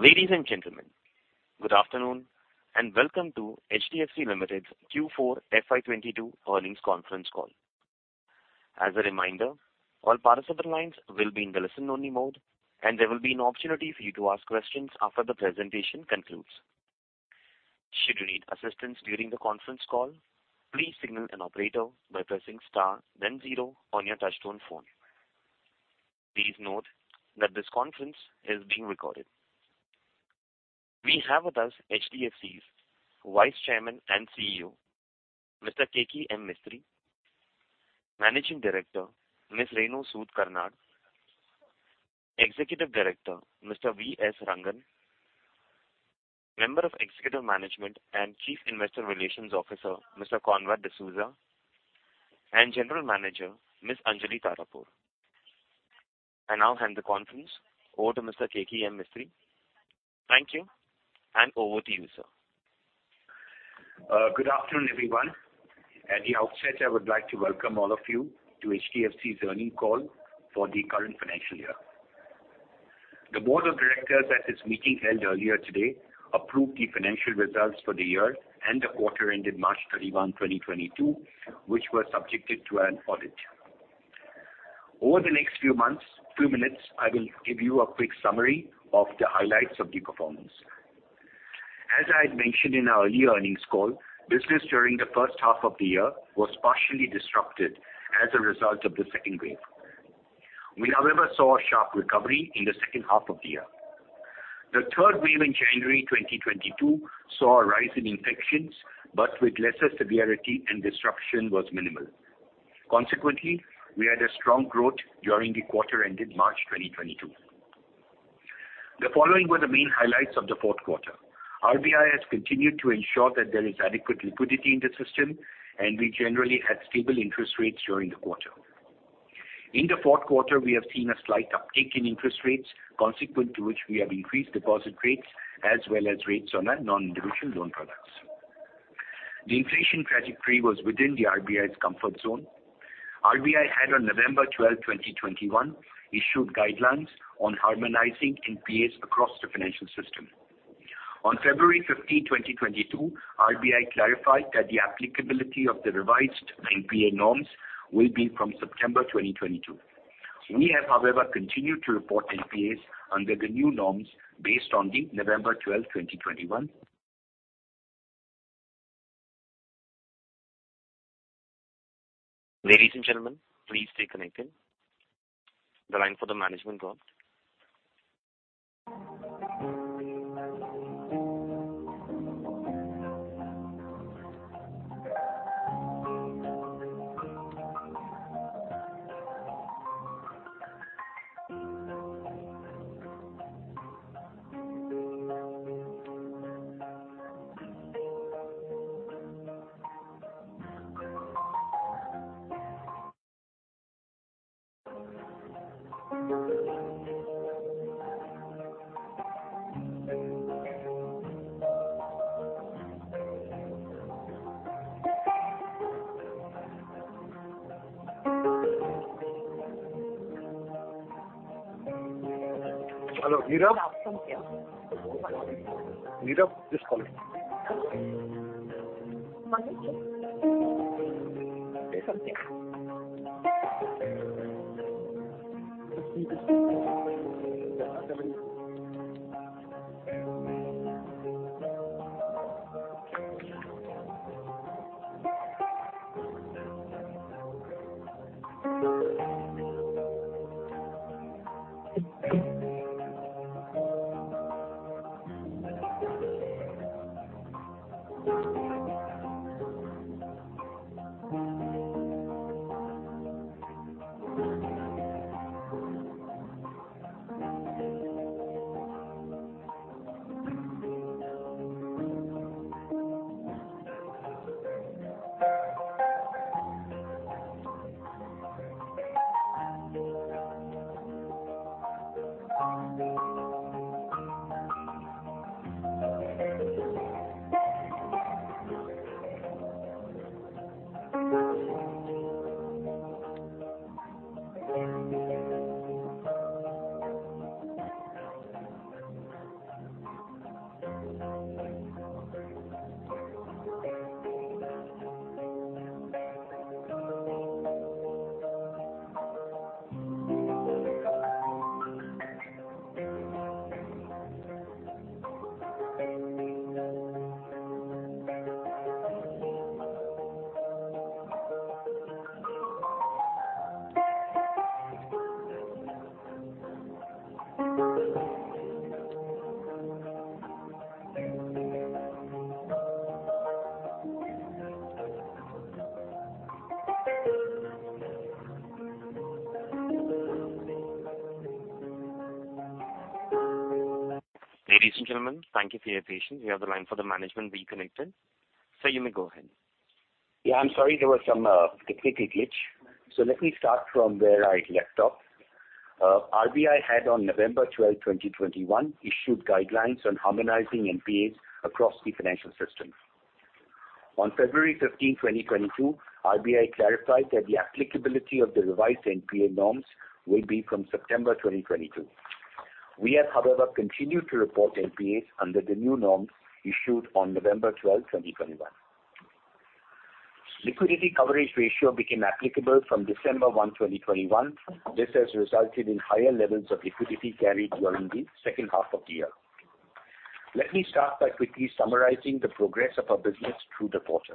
Ladies and gentlemen, good afternoon, and welcome to HDFC Limited's Q4 FY 2022 earnings conference call. As a reminder, all participant lines will be in the listen-only mode, and there will be an opportunity for you to ask questions after the presentation concludes. Should you need assistance during the conference call, please signal an operator by pressing star then zero on your touchtone phone. Please note that this conference is being recorded. We have with us HDFC's Vice Chairman and CEO, Mr. Keki M. Mistry. Managing Director, Ms. Renu Sud Karnad. Executive Director, Mr. V.S. Rangan. Member of Executive Management and Chief Investor Relations Officer, Mr. Joseph Conrad D'Souza, and General Manager, Ms. Anjali Tarapore. I now hand the conference over to Mr. Keki M. Mistry. Thank you, and over to you, sir. Good afternoon, everyone. At the outset, I would like to welcome all of you to HDFC's earnings call for the current financial year. The board of directors at its meeting held earlier today approved the financial results for the year and the quarter ending March 31, 2022, which were subjected to an audit. Over the next few minutes, I will give you a quick summary of the highlights of the performance. As I had mentioned in our earlier earnings call, business during the first half of the year was partially disrupted as a result of the second wave. We, however, saw a sharp recovery in the second half of the year. The third wave in January 2022 saw a rise in infections, but with lesser severity and disruption was minimal. Consequently, we had a strong growth during the quarter ending March 2022. The following were the main highlights of the fourth quarter. RBI has continued to ensure that there is adequate liquidity in the system, and we generally had stable interest rates during the quarter. In the fourth quarter, we have seen a slight uptick in interest rates, consequent to which we have increased deposit rates as well as rates on our non-individual loan products. The inflation trajectory was within the RBI's comfort zone. RBI had on November 12, 2021, issued guidelines on harmonizing NPAs across the financial system. On February 15, 2022, RBI clarified that the applicability of the revised NPA norms will be from September 2022. We have, however, continued to report NPAs under the new norms based on the November 12, 2021. Ladies and gentlemen, please stay connected. The line for the management dropped. Ladies and gentlemen, thank you for your patience. We have the line for the management reconnected. Sir, you may go ahead. Yeah, I'm sorry there was some technical glitch. Let me start from where I left off. RBI had on November 12, 2021, issued guidelines on harmonizing NPAs across the financial system. On February 15, 2022, RBI clarified that the applicability of the revised NPA norms will be from September 2022. We have, however, continued to report NPAs under the new norms issued on November 12, 2021. Liquidity coverage ratio became applicable from December 1, 2021. This has resulted in higher levels of liquidity carried during the second half of the year. Let me start by quickly summarizing the progress of our business through the quarter.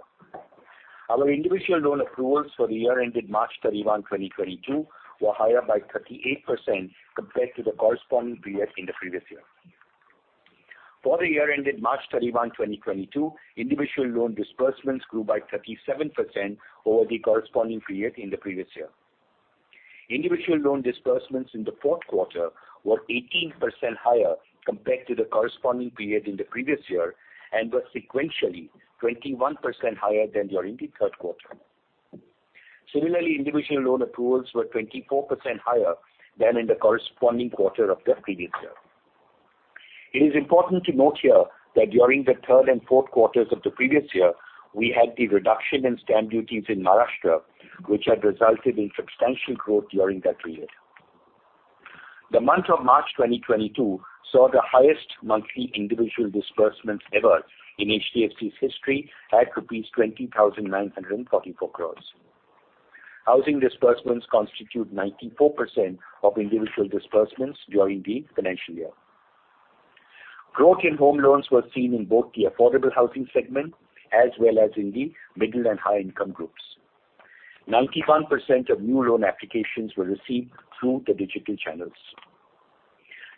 Our individual loan approvals for the year ended March 31, 2022 were higher by 38% compared to the corresponding period in the previous year. For the year ended March 31, 2022, individual loan disbursements grew by 37% over the corresponding period in the previous year. Individual loan disbursements in the fourth quarter were 18% higher compared to the corresponding period in the previous year and were sequentially 21% higher than during the third quarter. Similarly, individual loan approvals were 24% higher than in the corresponding quarter of the previous year. It is important to note here that during the third and fourth quarters of the previous year, we had the reduction in stamp duties in Maharashtra, which had resulted in substantial growth during that period. The month of March 2022 saw the highest monthly individual disbursements ever in HDFC's history at rupees 20,944 crore. Housing disbursements constitute 94% of individual disbursements during the financial year. Growth in home loans were seen in both the affordable housing segment as well as in the middle and high income groups. 91% of new loan applications were received through the digital channels.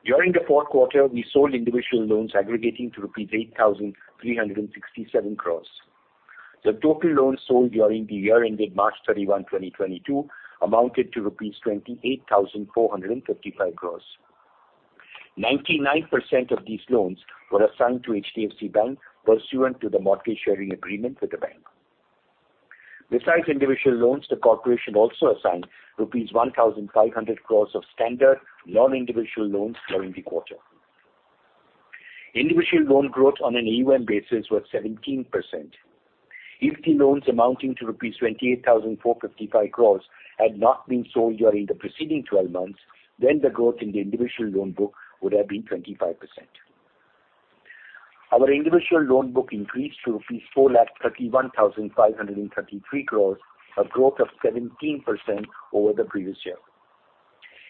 During the fourth quarter, we sold individual loans aggregating to rupees 8,367 crores. The total loans sold during the year ended March 31, 2022 amounted to rupees 28,455 crores. 99% of these loans were assigned to HDFC Bank pursuant to the mortgage sharing agreement with the bank. Besides individual loans, the corporation also assigned rupees 1,500 crores of standard non-individual loans during the quarter. Individual loan growth on an AUM basis was 17%. If the loans amounting to rupees 28,455 crore had not been sold during the preceding twelve months, then the growth in the individual loan book would have been 25%. Our individual loan book increased to rupees 4,31,533 crore, a growth of 17% over the previous year.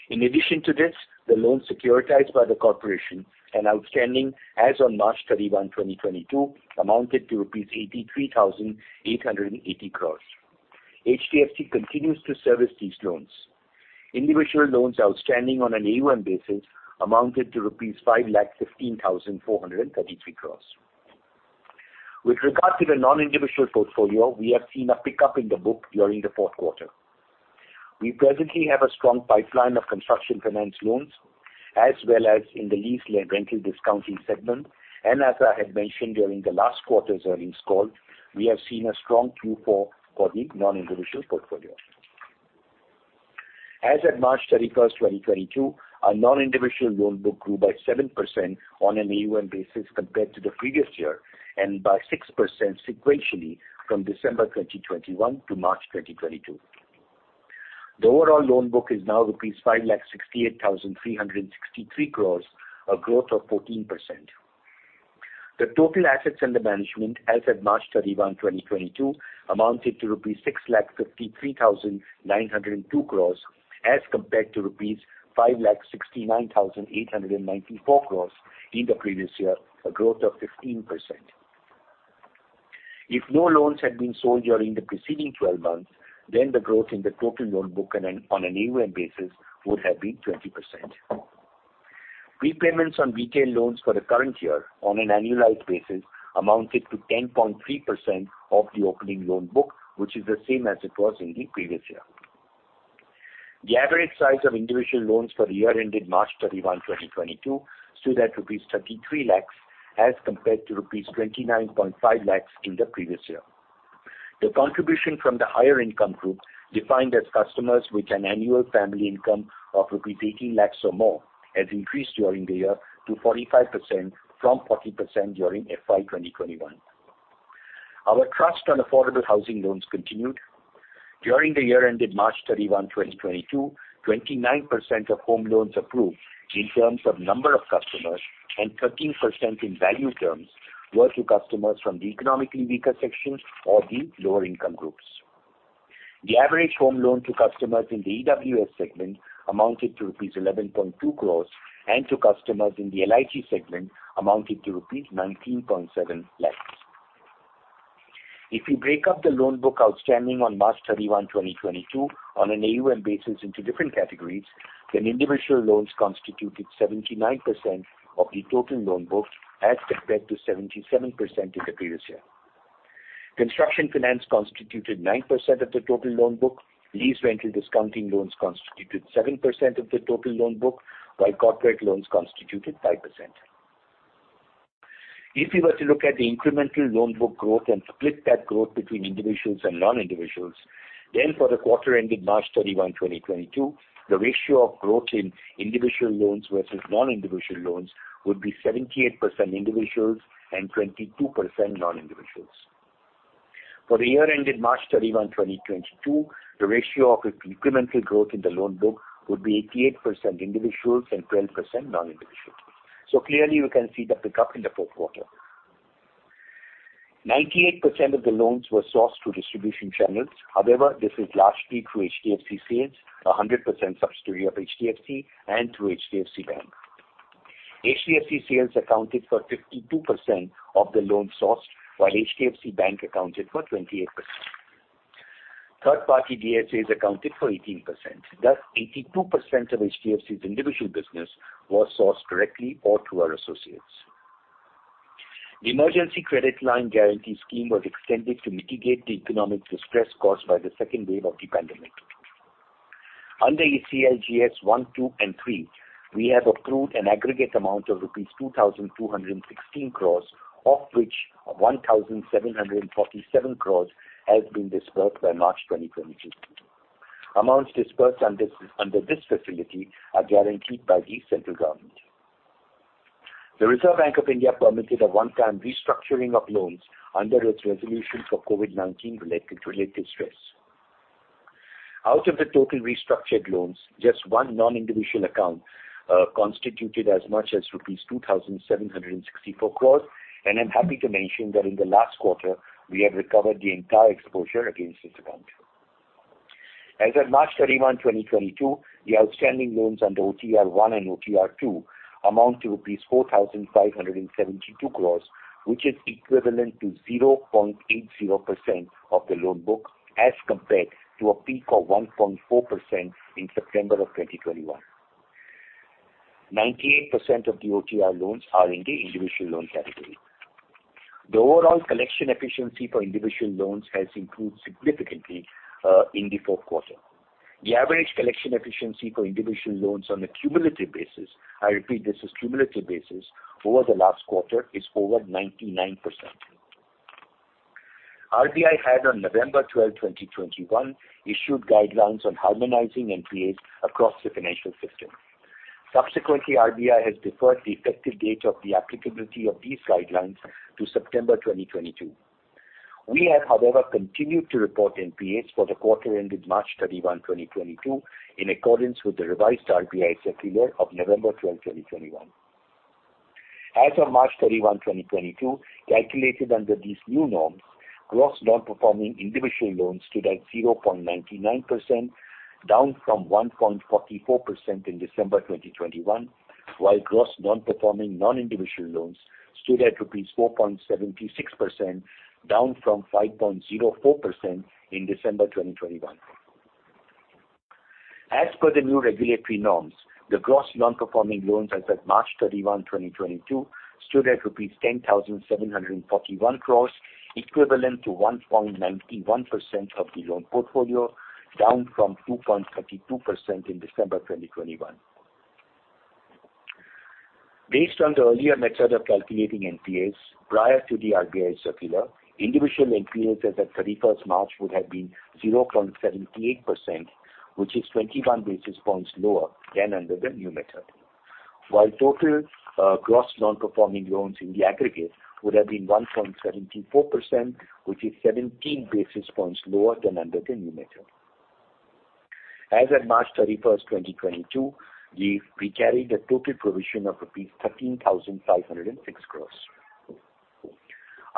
In addition to this, the loans securitized by the corporation and outstanding as on March 31, 2022 amounted to rupees 83,880 crore. HDFC continues to service these loans. Individual loans outstanding on an AUM basis amounted to rupees 5,15,433 crore. With regard to the non-individual portfolio, we have seen a pickup in the book during the fourth quarter. We presently have a strong pipeline of construction finance loans, as well as in the lease rental discounting segment. As I had mentioned during the last quarter's earnings call, we have seen a strong Q4 for the non-individual portfolio. As at March 31, 2022, our non-individual loan book grew by 7% on an AUM basis compared to the previous year, and by 6% sequentially from December 2021-March 2022. The overall loan book is now rupees 5,68,363 crore, a growth of 14%. The total assets under management as at March 31, 2022 amounted to rupees 6,53,902 crore as compared to rupees 5,69,894 crore in the previous year, a growth of 15%. If no loans had been sold during the preceding 12 months, then the growth in the total loan book on an AUM basis would have been 20%. Prepayments on retail loans for the current year on an annualized basis amounted to 10.3% of the opening loan book, which is the same as it was in the previous year. The average size of individual loans for the year ended March 31, 2022 stood at rupees 33 lakhs as compared to rupees 29.5 lakhs in the previous year. The contribution from the higher income group, defined as customers with an annual family income of 18 lakhs rupee or more, has increased during the year to 45% from 40% during FY 2021. Our thrust on affordable housing loans continued. During the year ended March 31, 2022, 29% of home loans approved in terms of number of customers and 13% in value terms were to customers from the economically weaker sections or the lower income groups. The average home loan to customers in the EWS segment amounted to rupees 11.2 crores and to customers in the LIG segment amounted to rupees 19.7 lakhs. If you break up the loan book outstanding on March 31, 2022 on an AUM basis into different categories, then individual loans constituted 79% of the total loan book as compared to 77% in the previous year. Construction finance constituted 9% of the total loan book. Lease rental discounting loans constituted 7% of the total loan book, while corporate loans constituted 5%. If you were to look at the incremental loan book growth and split that growth between individuals and non-individuals, then for the quarter ended March 31, 2022, the ratio of growth in individual loans versus non-individual loans would be 78% individuals and 22% non-individuals. For the year ended March 31, 2022, the ratio of the incremental growth in the loan book would be 88% individuals and 12% non-individuals. Clearly, you can see the pickup in the fourth quarter. 98% of the loans were sourced through distribution channels. However, this is largely through HDFC Sales, a 100% subsidiary of HDFC, and through HDFC Bank. HDFC Sales accounted for 52% of the loans sourced, while HDFC Bank accounted for 28%. Third-party DSAs accounted for 18%. Thus, 82% of HDFC's individual business was sourced directly or through our associates. The Emergency Credit Line Guarantee Scheme was extended to mitigate the economic distress caused by the second wave of the pandemic. Under ECLGS 1.0, 2.0, and 3.0, we have accrued an aggregate amount of rupees 2,216 crores, of which 1,747 crores has been disbursed by March 2022. Amounts disbursed under this facility are guaranteed by the central government. The Reserve Bank of India permitted a one-time restructuring of loans under its resolution for COVID-19 related stress. Out of the total restructured loans, just 1 non-individual account constituted as much as rupees 2,764 crores, and I'm happy to mention that in the last quarter, we have recovered the entire exposure against this account. As of March 31, 2022, the outstanding loans under OTR 1 and OTR 2 amount to 4,572 crore, which is equivalent to 0.80% of the loan book as compared to a peak of 1.4% in September of 2021. 98% of the OTR loans are in the individual loan category. The overall collection efficiency for individual loans has improved significantly in the fourth quarter. The average collection efficiency for individual loans on a cumulative basis, I repeat this is cumulative basis, over the last quarter is over 99%. RBI had on November 12, 2021, issued guidelines on harmonizing NPAs across the financial system. Subsequently, RBI has deferred the effective date of the applicability of these guidelines to September 2022. We have, however, continued to report NPAs for the quarter ended March 31, 2022, in accordance with the revised RBI circular of November 12, 2021. As of March 31, 2022, calculated under these new norms, gross non-performing individual loans stood at 0.99%, down from 1.44% in December 2021, while gross non-performing non-individual loans stood at 4.76%, down from 5.04% in December 2021. As per the new regulatory norms, the gross non-performing loans as of March 31, 2022, stood at rupees 10,741 crores, equivalent to 1.91% of the loan portfolio, down from 2.32% in December 2021. Based on the earlier method of calculating NPAs, prior to the RBI circular, individual NPAs as of 31 March would have been 0.78%, which is 21 basis points lower than under the new method. While total gross non-performing loans in the aggregate would have been 1.74%, which is 17 basis points lower than under the new method. As of 31 March 2022, we carried a total provision of rupees 13,506 crores.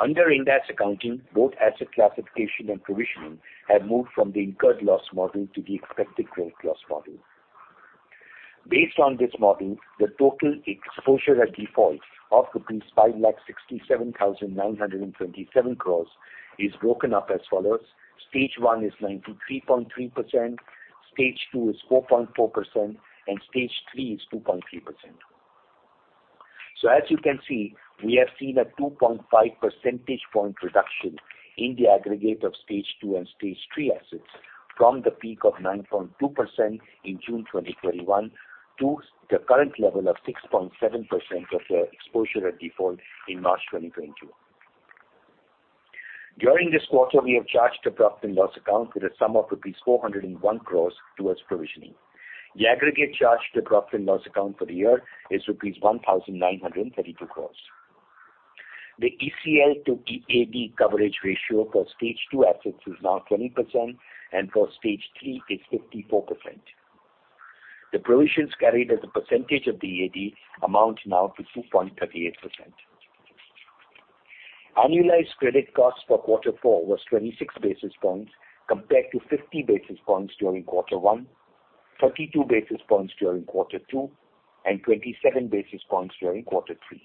Under Ind AS accounting, both asset classification and provisioning have moved from the incurred loss model to the expected credit loss model. Based on this model, the total exposure at default of rupees 5,67,927 crore is broken up as follows: Stage One is 93.3%, Stage Two is 4.4%, and Stage Three is 2.3%. As you can see, we have seen a 2.5 percentage point reduction in the aggregate of Stage Two and Stage Three assets from the peak of 9.2% in June 2021 to the current level of 6.7% of the exposure at default in March 2022. During this quarter, we have charged the profit and loss account with a sum of rupees 401 crore towards provisioning. The aggregate charge to profit and loss account for the year is rupees 1,932 crore. The ECL to EAD coverage ratio for Stage Two assets is now 20%, and for Stage Three, it's 54%. The provisions carried as a percentage of the EAD amount now to 2.38%. Annualized credit costs for quarter four was 26 basis points compared to 50 basis points during quarter one, 32 basis points during quarter two, and 27 basis points during quarter three.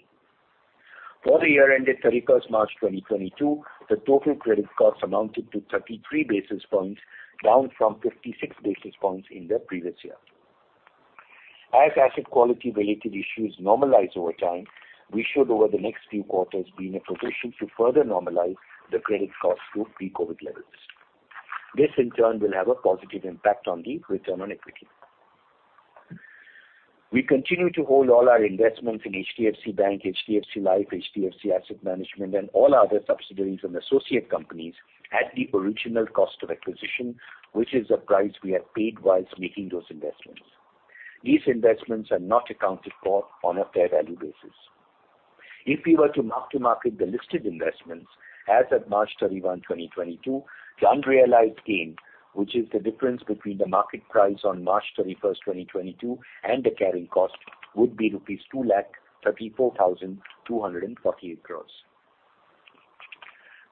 For the year ended 31 March 2022, the total credit costs amounted to 33 basis points, down from 56 basis points in the previous year. As asset quality-related issues normalize over time, we should, over the next few quarters, be in a position to further normalize the credit costs to pre-COVID levels. This, in turn, will have a positive impact on the return on equity. We continue to hold all our investments in HDFC Bank, HDFC Life, HDFC Asset Management, and all other subsidiaries and associate companies at the original cost of acquisition, which is the price we have paid whilst making those investments. These investments are not accounted for on a fair value basis. If we were to mark-to-market the listed investments as of March 31, 2022, the unrealized gain, which is the difference between the market price on March 31, 2022, and the carrying cost, would be rupees 234,248 crore.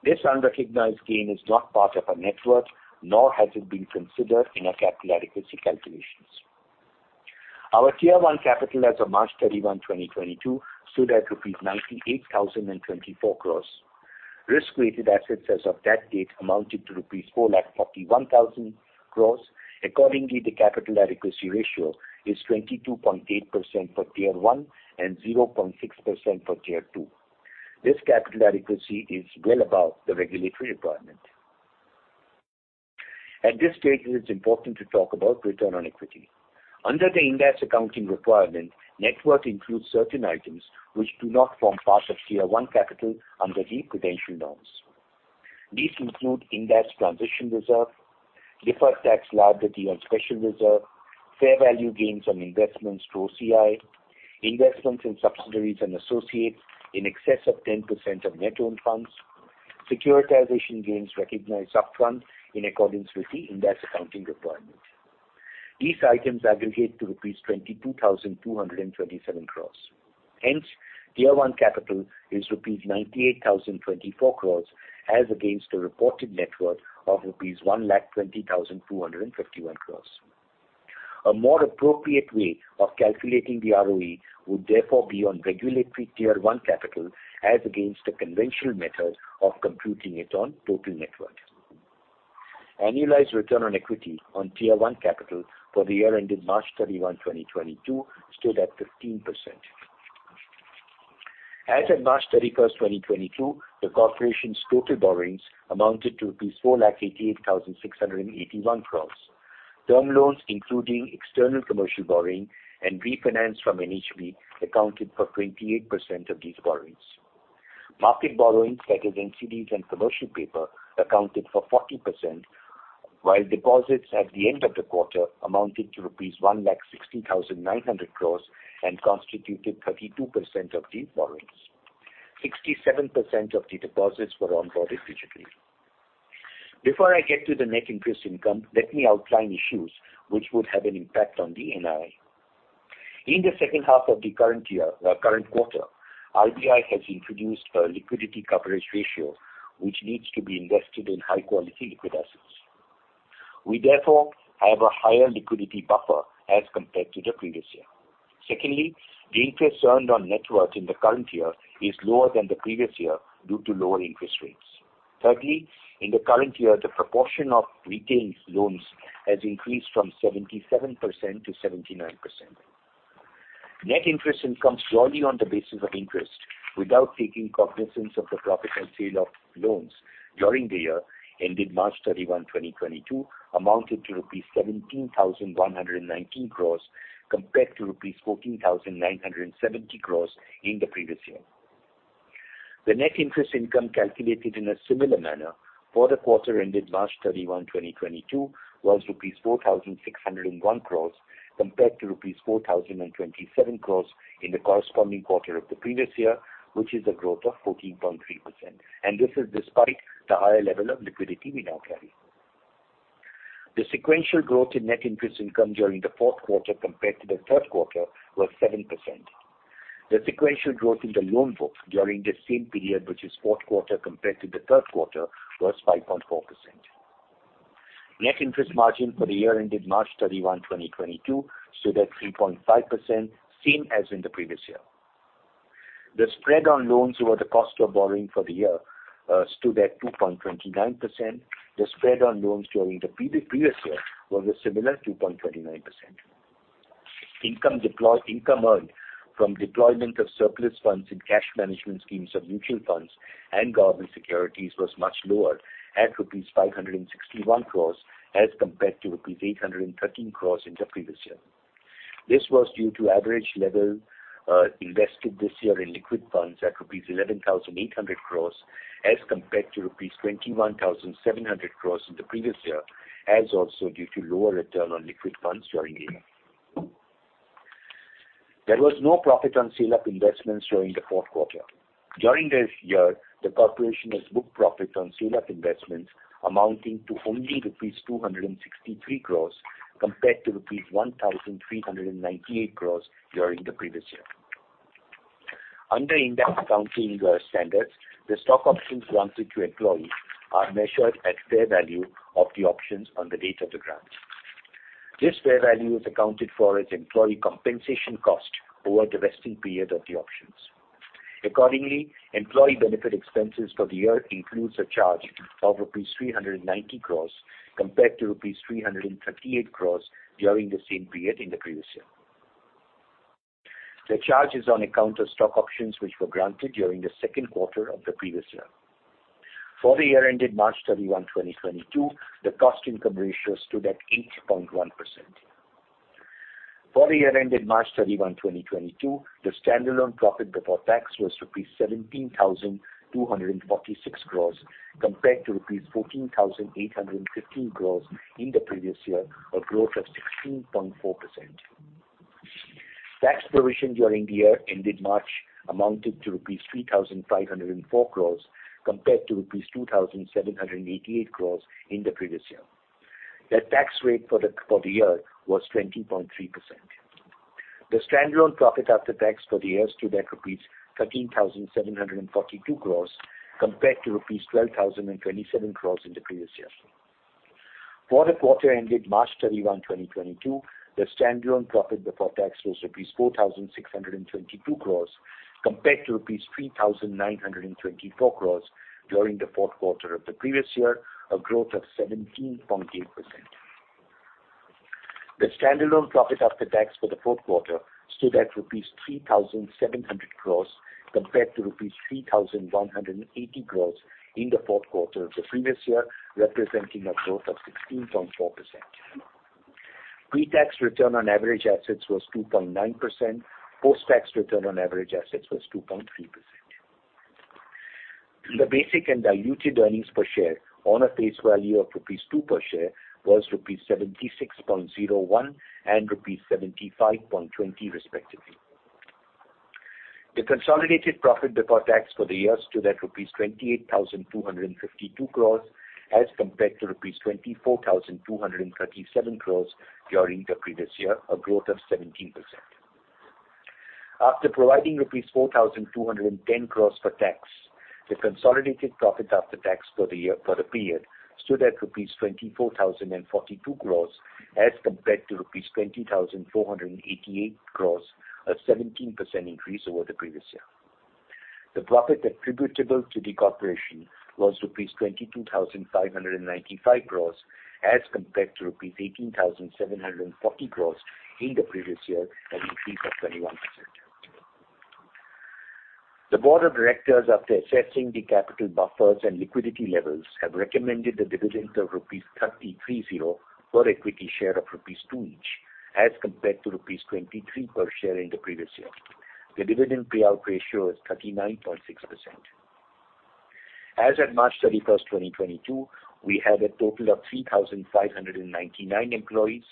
This unrecognized gain is not part of our net worth, nor has it been considered in our capital adequacy calculations. Our Tier I capital as of March 31, 2022, stood at rupees 98,024 crore. Risk-weighted assets as of that date amounted to rupees 441,000 crore. Accordingly, the capital adequacy ratio is 22.8% for Tier I and 0.6% for Tier II. This capital adequacy is well above the regulatory requirement. At this stage, it is important to talk about return on equity. Under the Ind AS accounting requirement, net worth includes certain items which do not form part of Tier I capital under the prudential norms. These include Ind AS transition reserve, deferred tax liability on special reserve, fair value gains on investments through OCI, investments in subsidiaries and associates in excess of 10% of net own funds, securitization gains recognized upfront in accordance with the Ind AS accounting requirement. These items aggregate to rupees 22,227 crore. Hence, Tier I capital is rupees 98,024 crore as against the reported net worth of rupees 1,20,251 crore. A more appropriate way of calculating the ROE would therefore be on regulatory Tier I capital as against the conventional method of computing it on total net worth. Annualized return on equity on Tier I capital for the year ended March 31, 2022, stood at 15%. As of March 31, 2022, the corporation's total borrowings amounted to 4,88,681 crore. Term loans, including external commercial borrowing and refinance from NHB, accounted for 28% of these borrowings. Market borrowings, that is NCDs and commercial paper, accounted for 40%, while deposits at the end of the quarter amounted to rupees 1,60,900 crore and constituted 32% of the borrowings. 67% of the deposits were onboarded digitally. Before I get to the net interest income, let me outline issues which would have an impact on the NII. In the second half of the current year or current quarter, RBI has introduced a liquidity coverage ratio which needs to be invested in high-quality liquid assets. We therefore have a higher liquidity buffer as compared to the previous year. Secondly, the interest earned on net worth in the current year is lower than the previous year due to lower interest rates. Thirdly, in the current year, the proportion of retained loans has increased from 77%-79%. Net interest income solely on the basis of interest without taking cognizance of the profit and sale of loans during the year ended March 31, 2022, amounted to INR 17,119 crores compared to INR 14,970 crores in the previous year. The net interest income calculated in a similar manner for the quarter ended March 31, 2022, was rupees 4,601 crores compared to rupees 4,027 crores in the corresponding quarter of the previous year, which is a growth of 14.3%, and this is despite the higher level of liquidity we now carry. The sequential growth in net interest income during the fourth quarter compared to the third quarter was 7%. The sequential growth in the loan book during the same period, which is fourth quarter compared to the third quarter, was 5.4%. Net interest margin for the year ended March 31, 2022, stood at 3.5%, same as in the previous year. The spread on loans over the cost of borrowing for the year stood at 2.29%. The spread on loans during the previous year was a similar 2.29%. Income earned from deployment of surplus funds in cash management schemes of mutual funds and government securities was much lower at rupees 561 crore as compared to rupees 813 crore in the previous year. This was due to average level invested this year in liquid funds at rupees 11,800 crores as compared to rupees 21,700 crores in the previous year, as also due to lower return on liquid funds during the year. There was no profit on sale of investments during the fourth quarter. During this year, the corporation has booked profit on sale of investments amounting to only INR 263 crores compared to INR 1,398 crores during the previous year. Under Ind AS accounting standards, the stock options granted to employees are measured at fair value of the options on the date of the grant. This fair value is accounted for as employee compensation cost over the vesting period of the options. Employee benefit expenses for the year includes a charge of rupees 390 crores compared to rupees 338 crores during the same period in the previous year. The charge is on account of stock options which were granted during the second quarter of the previous year. For the year ended March 31, 2022, the cost-income ratio stood at 8.1%. For the year ended March 31, 2022, the standalone profit before tax was 17,246 crores compared to 14,815 crores in the previous year, a growth of 16.4%. Tax provision during the year ended March amounted to rupees 3,504 crores compared to rupees 2,788 crores in the previous year. The tax rate for the year was 20.3%. The standalone profit after tax for the year stood at rupees 13,742 crores compared to rupees 12,027 crores in the previous year. For the quarter ended March 31, 2022, the standalone profit before tax was rupees 4,622 crores compared to rupees 3,924 crores during the fourth quarter of the previous year, a growth of 17.8%. The standalone profit after tax for the fourth quarter stood at rupees 3,700 crores compared to rupees 3,180 crores in the fourth quarter of the previous year, representing a growth of 16.4%. Pre-tax return on average assets was 2.9%. Post-tax return on average assets was 2.3%. The basic and diluted earnings per share on a face value of rupees 2 per share was rupees 76.01 and rupees 75.20 respectively. The consolidated profit before tax for the year stood at rupees 28,252 crore as compared to rupees 24,237 crore during the previous year, a growth of 17%. After providing rupees 4,210 crore for tax, the consolidated profit after tax for the year, for the period stood at rupees 24,042 crore as compared to rupees 20,488 crore, a 17% increase over the previous year. The profit attributable to the corporation was INR 22,595 crores as compared to INR 18,740 crores in the previous year, an increase of 21%. The board of directors, after assessing the capital buffers and liquidity levels, have recommended a dividend of rupees 33.0 per equity share of rupees 2 each, as compared to rupees 23 per share in the previous year. The dividend payout ratio is 39.6%. As at March 31, 2022, we have a total of 3,599 employees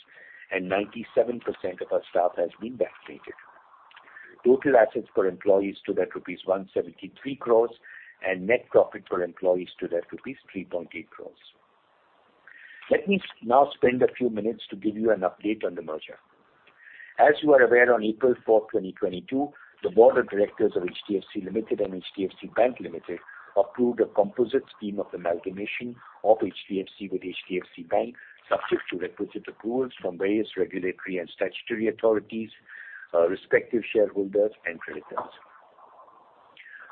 and 97% of our staff has been vaccinated. Total assets per employee stood at rupees 173 crores and net profit per employee stood at rupees 3.8 crores. Let me now spend a few minutes to give you an update on the merger. As you are aware, on April 4, 2022, the board of directors of HDFC Limited and HDFC Bank Limited approved a composite scheme of amalgamation of HDFC with HDFC Bank, subject to requisite approvals from various regulatory and statutory authorities, respective shareholders and creditors.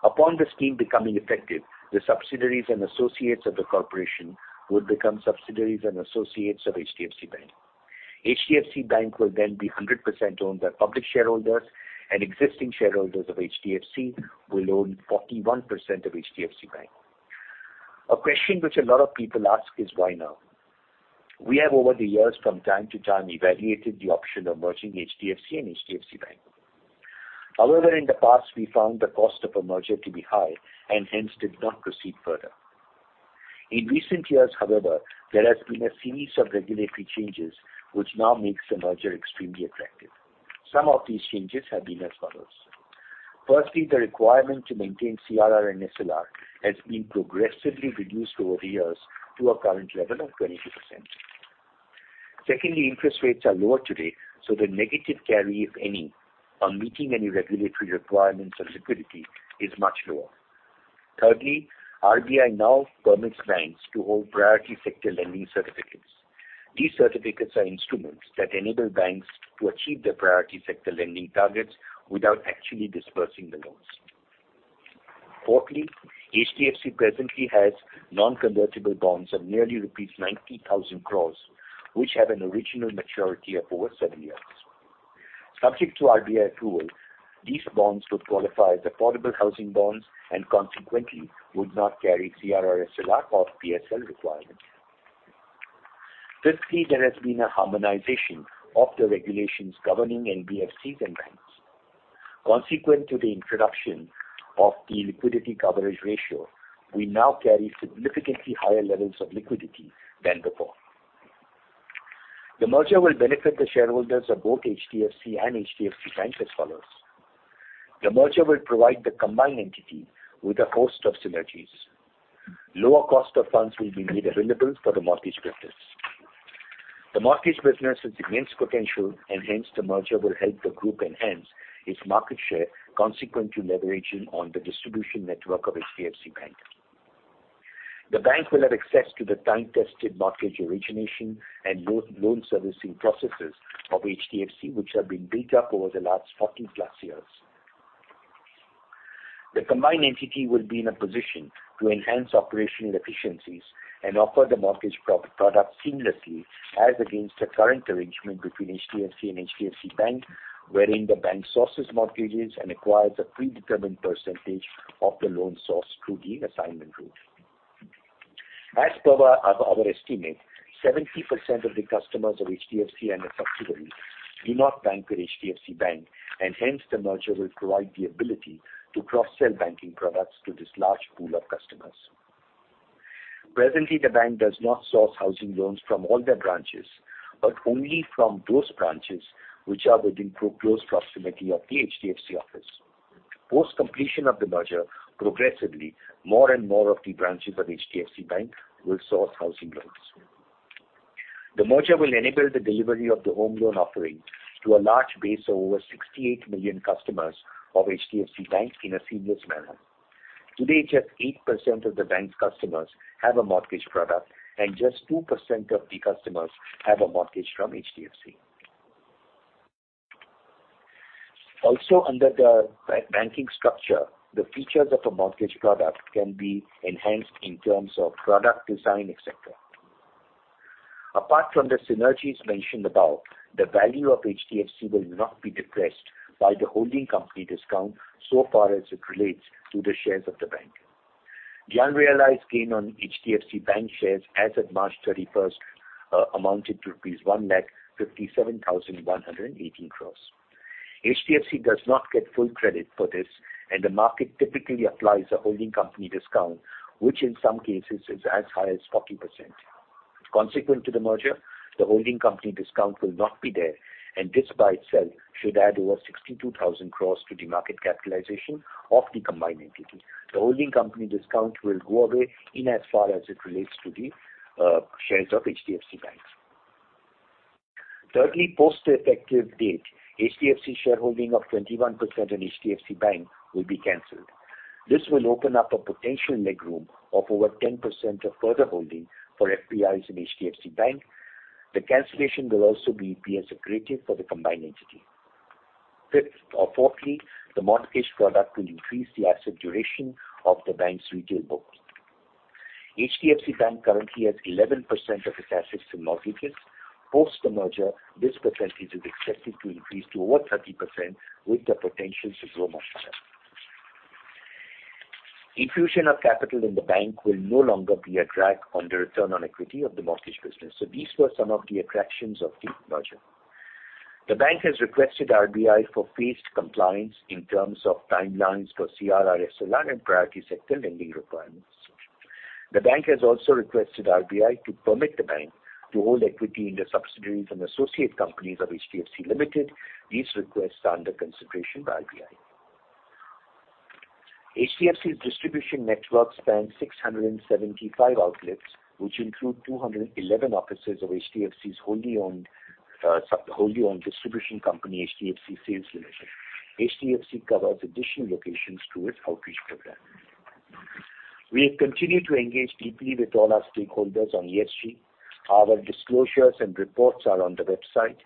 Upon the scheme becoming effective, the subsidiaries and associates of the corporation would become subsidiaries and associates of HDFC Bank. HDFC Bank will then be 100% owned by public shareholders and existing shareholders of HDFC will own 41% of HDFC Bank. A question which a lot of people ask is why now? We have over the years from time to time evaluated the option of merging HDFC and HDFC Bank. However, in the past, we found the cost of a merger to be high and hence did not proceed further. In recent years, however, there has been a series of regulatory changes which now makes the merger extremely attractive. Some of these changes have been as follows. Firstly, the requirement to maintain CRR and SLR has been progressively reduced over the years to a current level of 22%. Secondly, interest rates are lower today, so the negative carry, if any, on meeting any regulatory requirements on liquidity is much lower. Thirdly, RBI now permits banks to hold priority sector lending certificates. These certificates are instruments that enable banks to achieve their priority sector lending targets without actually disbursing the loans. Fourthly, HDFC presently has non-convertible bonds of nearly 90,000 crore, which have an original maturity of over seven years. Subject to RBI approval, these bonds would qualify as affordable housing bonds and consequently would not carry CRR, SLR or PSL requirements. Fifthly, there has been a harmonization of the regulations governing NBFCs and banks. Consequent to the introduction of the liquidity coverage ratio, we now carry significantly higher levels of liquidity than before. The merger will benefit the shareholders of both HDFC and HDFC Bank as follows. The merger will provide the combined entity with a host of synergies. Lower cost of funds will be made available for the mortgage business. The mortgage business has immense potential and hence the merger will help the group enhance its market share consequent to leveraging on the distribution network of HDFC Bank. The bank will have access to the time-tested mortgage origination and loan servicing processes of HDFC, which have been built up over the last 40+ years. The combined entity will be in a position to enhance operational efficiencies and offer the mortgage product seamlessly as against the current arrangement between HDFC and HDFC Bank, wherein the bank sources mortgages and acquires a predetermined percentage of the loan source through the assignment route. As per our estimate, 70% of the customers of HDFC and its subsidiaries do not bank with HDFC Bank, and hence the merger will provide the ability to cross-sell banking products to this large pool of customers. Presently, the bank does not source housing loans from all their branches, but only from those branches which are within physical proximity of the HDFC office. Post completion of the merger, progressively, more and more of the branches of HDFC Bank will source housing loans. The merger will enable the delivery of the home loan offering to a large base of over 68 million customers of HDFC Bank in a seamless manner. Today, just 8% of the bank's customers have a mortgage product, and just 2% of the customers have a mortgage from HDFC. Also, under the banking structure, the features of a mortgage product can be enhanced in terms of product design, etc. Apart from the synergies mentioned above, the value of HDFC will not be depressed by the holding company discount so far as it relates to the shares of the bank. The unrealized gain on HDFC Bank shares as of March 31 amounted to rupees 1,57,118 crore. HDFC does not get full credit for this, and the market typically applies a holding company discount, which in some cases is as high as 40%. Consequent to the merger, the holding company discount will not be there, and this by itself should add over 62,000 crores to the market capitalization of the combined entity. The holding company discount will go away in as far as it relates to the shares of HDFC Bank. Thirdly, post the effective date, HDFC shareholding of 21% in HDFC Bank will be canceled. This will open up a potential headroom of over 10% of further holding for FIIs in HDFC Bank. The cancellation will also be as accretive for the combined entity. Fifth or fourthly, the mortgage product will increase the asset duration of the bank's retail books. HDFC Bank currently has 11% of its assets in mortgages. Post the merger, this percentage is expected to increase to over 30% with the potential to grow much higher. Infusion of capital in the bank will no longer be a drag on the return on equity of the mortgage business. These were some of the attractions of the merger. The bank has requested RBI for phased compliance in terms of timelines for CRR, SLR, and priority sector lending requirements. The bank has also requested RBI to permit the bank to hold equity in the subsidiaries and associate companies of HDFC Limited. These requests are under consideration by RBI. HDFC's distribution network spans 675 outlets, which include 211 offices of HDFC's wholly owned, sub-wholly owned distribution company, HDFC Sales Private Limited. HDFC covers additional locations through its outreach program. We have continued to engage deeply with all our stakeholders on ESG. Our disclosures and reports are on the website.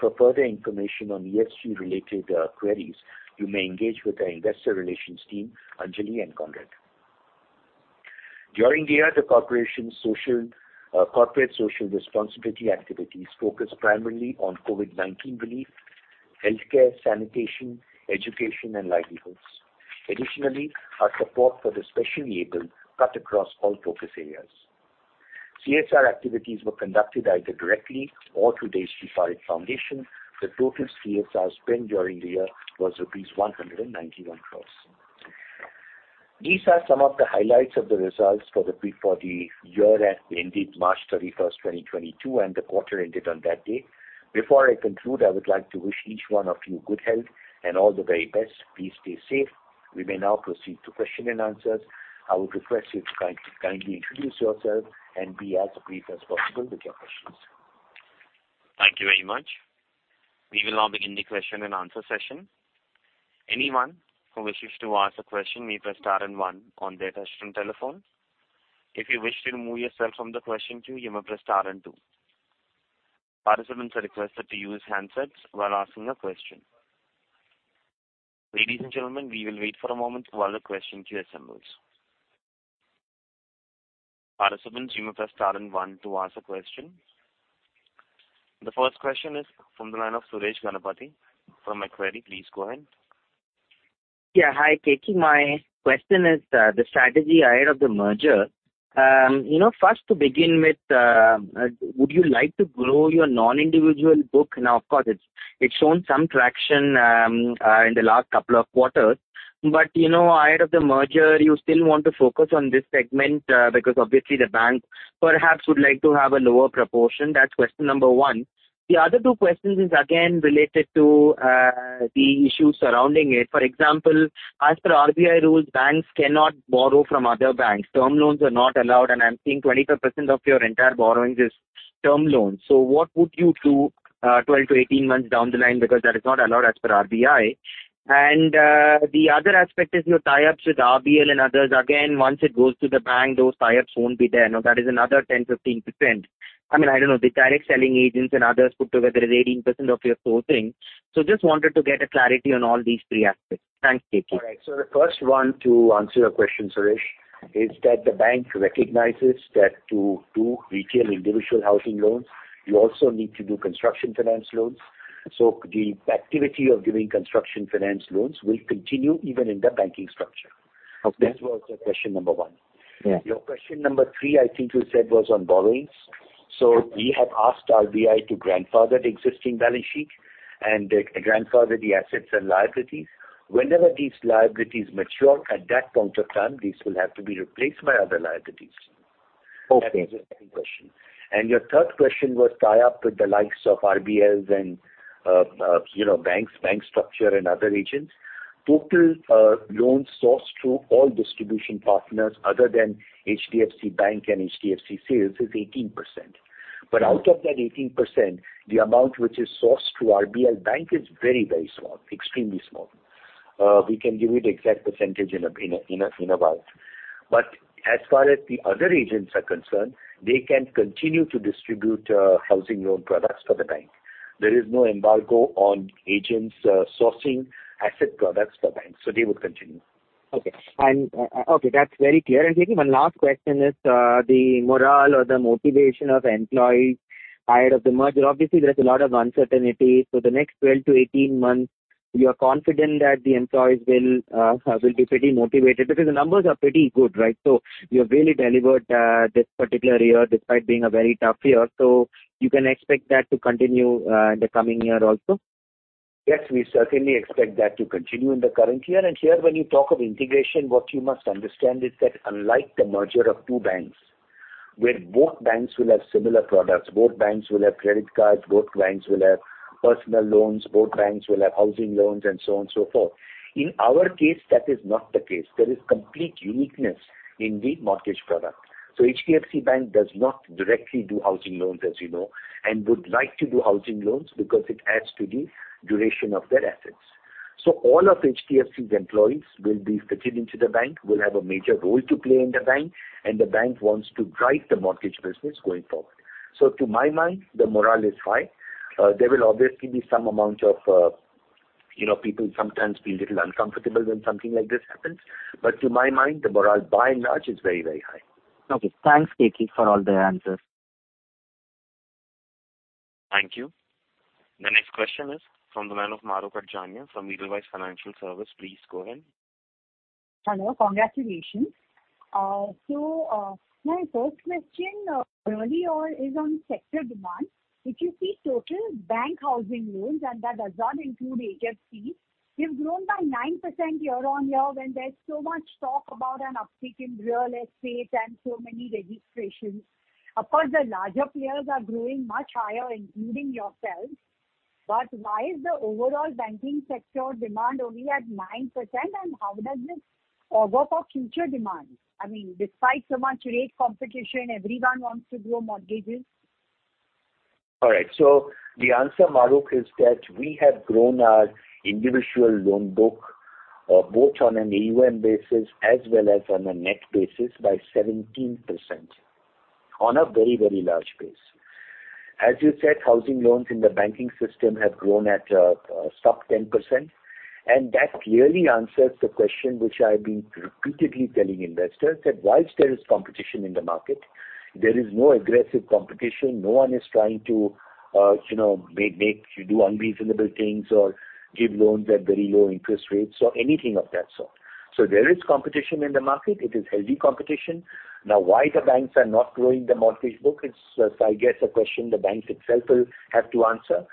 For further information on ESG-related queries, you may engage with our investor relations team, Anjali and Conrad. During the year, corporate social responsibility activities focused primarily on COVID-19 relief, healthcare, sanitation, education, and livelihoods. Additionally, our support for the specially-abled cut across all focus areas. CSR activities were conducted either directly or through the H T Parekh Foundation. The total CSR spend during the year was rupees 191 crores. These are some of the highlights of the results for the year ended March 31, 2022, and the quarter ended on that day. Before I conclude, I would like to wish each one of you good health and all the very best. Please stay safe. We may now proceed to question and answers. I would request you to kindly introduce yourself and be as brief as possible with your questions. Thank you very much. We will now begin the question and answer session. Anyone who wishes to ask a question may press star and one on their touchtone telephone. If you wish to remove yourself from the question queue, you may press star and two. Participants are requested to use handsets while asking a question. Ladies and gentlemen, we will wait for a moment while the question queue assembles. Participants, you may press star and one to ask a question. The first question is from the line of Suresh Ganapathy from Macquarie. Please go ahead. Yeah. Hi, Keki M. Mistry. My question is the strategy ahead of the merger. You know, first to begin with, would you like to grow your non-individual book? Now, of course, it's shown some traction in the last couple of quarters, but you know, ahead of the merger, you still want to focus on this segment because obviously the bank perhaps would like to have a lower proportion. That's question number one. The other two questions is again related to the issues surrounding it. For example, as per RBI rules, banks cannot borrow from other banks. Term loans are not allowed, and I'm seeing 25% of your entire borrowing is term loans. So what would you do 12-18 months down the line because that is not allowed as per RBI? The other aspect is your tie-ups with RBL Bank and others. Again, once it goes to the bank, those tie-ups won't be there. Now, that is another 10%-15%. I mean, I don't know, the direct selling agents and others put together is 18% of your sourcing. Just wanted to get a clarity on all these three aspects. Thanks, Keki. All right. The first one to answer your question, Suresh, is that the bank recognizes that to do retail individual housing loans, you also need to do construction finance loans. The activity of giving construction finance loans will continue even in the banking structure. Okay. That was your question number one. Yeah. Your question number three, I think you said was on borrowings. We have asked RBI to grandfather the existing balance sheet and grandfather the assets and liabilities. Whenever these liabilities mature, at that point of time, these will have to be replaced by other liabilities. Okay. That was your second question. Your third question was tie-up with the likes of RBL Bank and, you know, banks, bank structure and other agents. Total loans sourced through all distribution partners other than HDFC Bank and HDFC Sales is 18%. Out of that 18%, the amount which is sourced through RBL Bank is very, very small, extremely small. We can give you the exact percentage in a while. As far as the other agents are concerned, they can continue to distribute housing loan products for the bank. There is no embargo on agents sourcing asset products for banks, so they will continue. Okay, that's very clear. Keki, one last question is the morale or the motivation of employees prior to the merger. Obviously, there's a lot of uncertainty. The next 12-18 months, you are confident that the employees will be pretty motivated because the numbers are pretty good, right? You have really delivered this particular year despite being a very tough year. You can expect that to continue in the coming year also? Yes, we certainly expect that to continue in the current year. Here when you talk of integration, what you must understand is that unlike the merger of two banks, where both banks will have similar products, both banks will have credit cards, both banks will have personal loans, both banks will have housing loans and so on and so forth. In our case, that is not the case. There is complete uniqueness in the mortgage product. HDFC Bank does not directly do housing loans, as you know, and would like to do housing loans because it adds to the duration of their assets. All of HDFC's employees will be fitted into the bank, will have a major role to play in the bank, and the bank wants to drive the mortgage business going forward. To my mind, the morale is high. There will obviously be some amount of, you know, people sometimes feel a little uncomfortable when something like this happens. To my mind, the morale by and large is very, very high. Okay. Thanks, Keki M. Mistry, for all the answers. Thank you. The next question is from the line of Mahrukh Adajania from Edelweiss Financial Services. Please go ahead. Hello. Congratulations. My first question early on is on sector demand. If you see total bank housing loans, and that does not include HFCs, they've grown by 9% year-on-year when there's so much talk about an uptick in real estate and so many registrations. Of course, the larger players are growing much higher, including yourself. Why is the overall banking sector demand only at 9%, and how does this augur for future demand? I mean, despite so much rate competition, everyone wants to grow mortgages. All right. The answer, Mahrukh, is that we have grown our individual loan book both on an AUM basis as well as on a net basis by 17% on a very, very large base. As you said, housing loans in the banking system have grown at sub-10%. That clearly answers the question which I've been repeatedly telling investors that whilst there is competition in the market, there is no aggressive competition. No one is trying to, you know, make you do unreasonable things or give loans at very low interest rates or anything of that sort. There is competition in the market. It is healthy competition. Now, why the banks are not growing the mortgage book is, I guess, a question the banks itself will have to answer.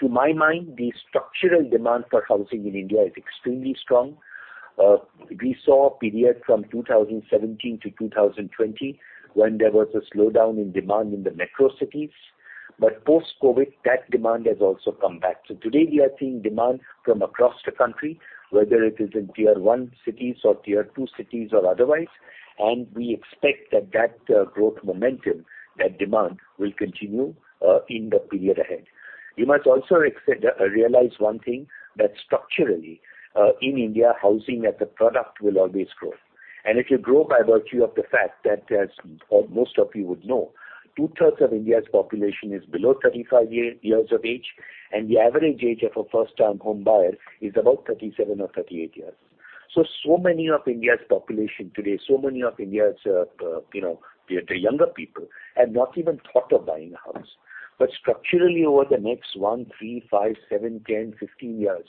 To my mind, the structural demand for housing in India is extremely strong. We saw a period from 2017-2020 when there was a slowdown in demand in the metro cities. Post-COVID, that demand has also come back. Today we are seeing demand from across the country, whether it is in tier one cities or tier two cities or otherwise, and we expect that growth momentum, that demand will continue in the period ahead. You must also realize one thing, that structurally, in India, housing as a product will always grow. It will grow by virtue of the fact that as most of you would know, two-thirds of India's population is below 35 years of age, and the average age of a first-time homebuyer is about 37 or 38 years. Many of India's population today, you know, the younger people have not even thought of buying a house. Structurally, over the next 1, 3, 5, 7, 10, 15 years,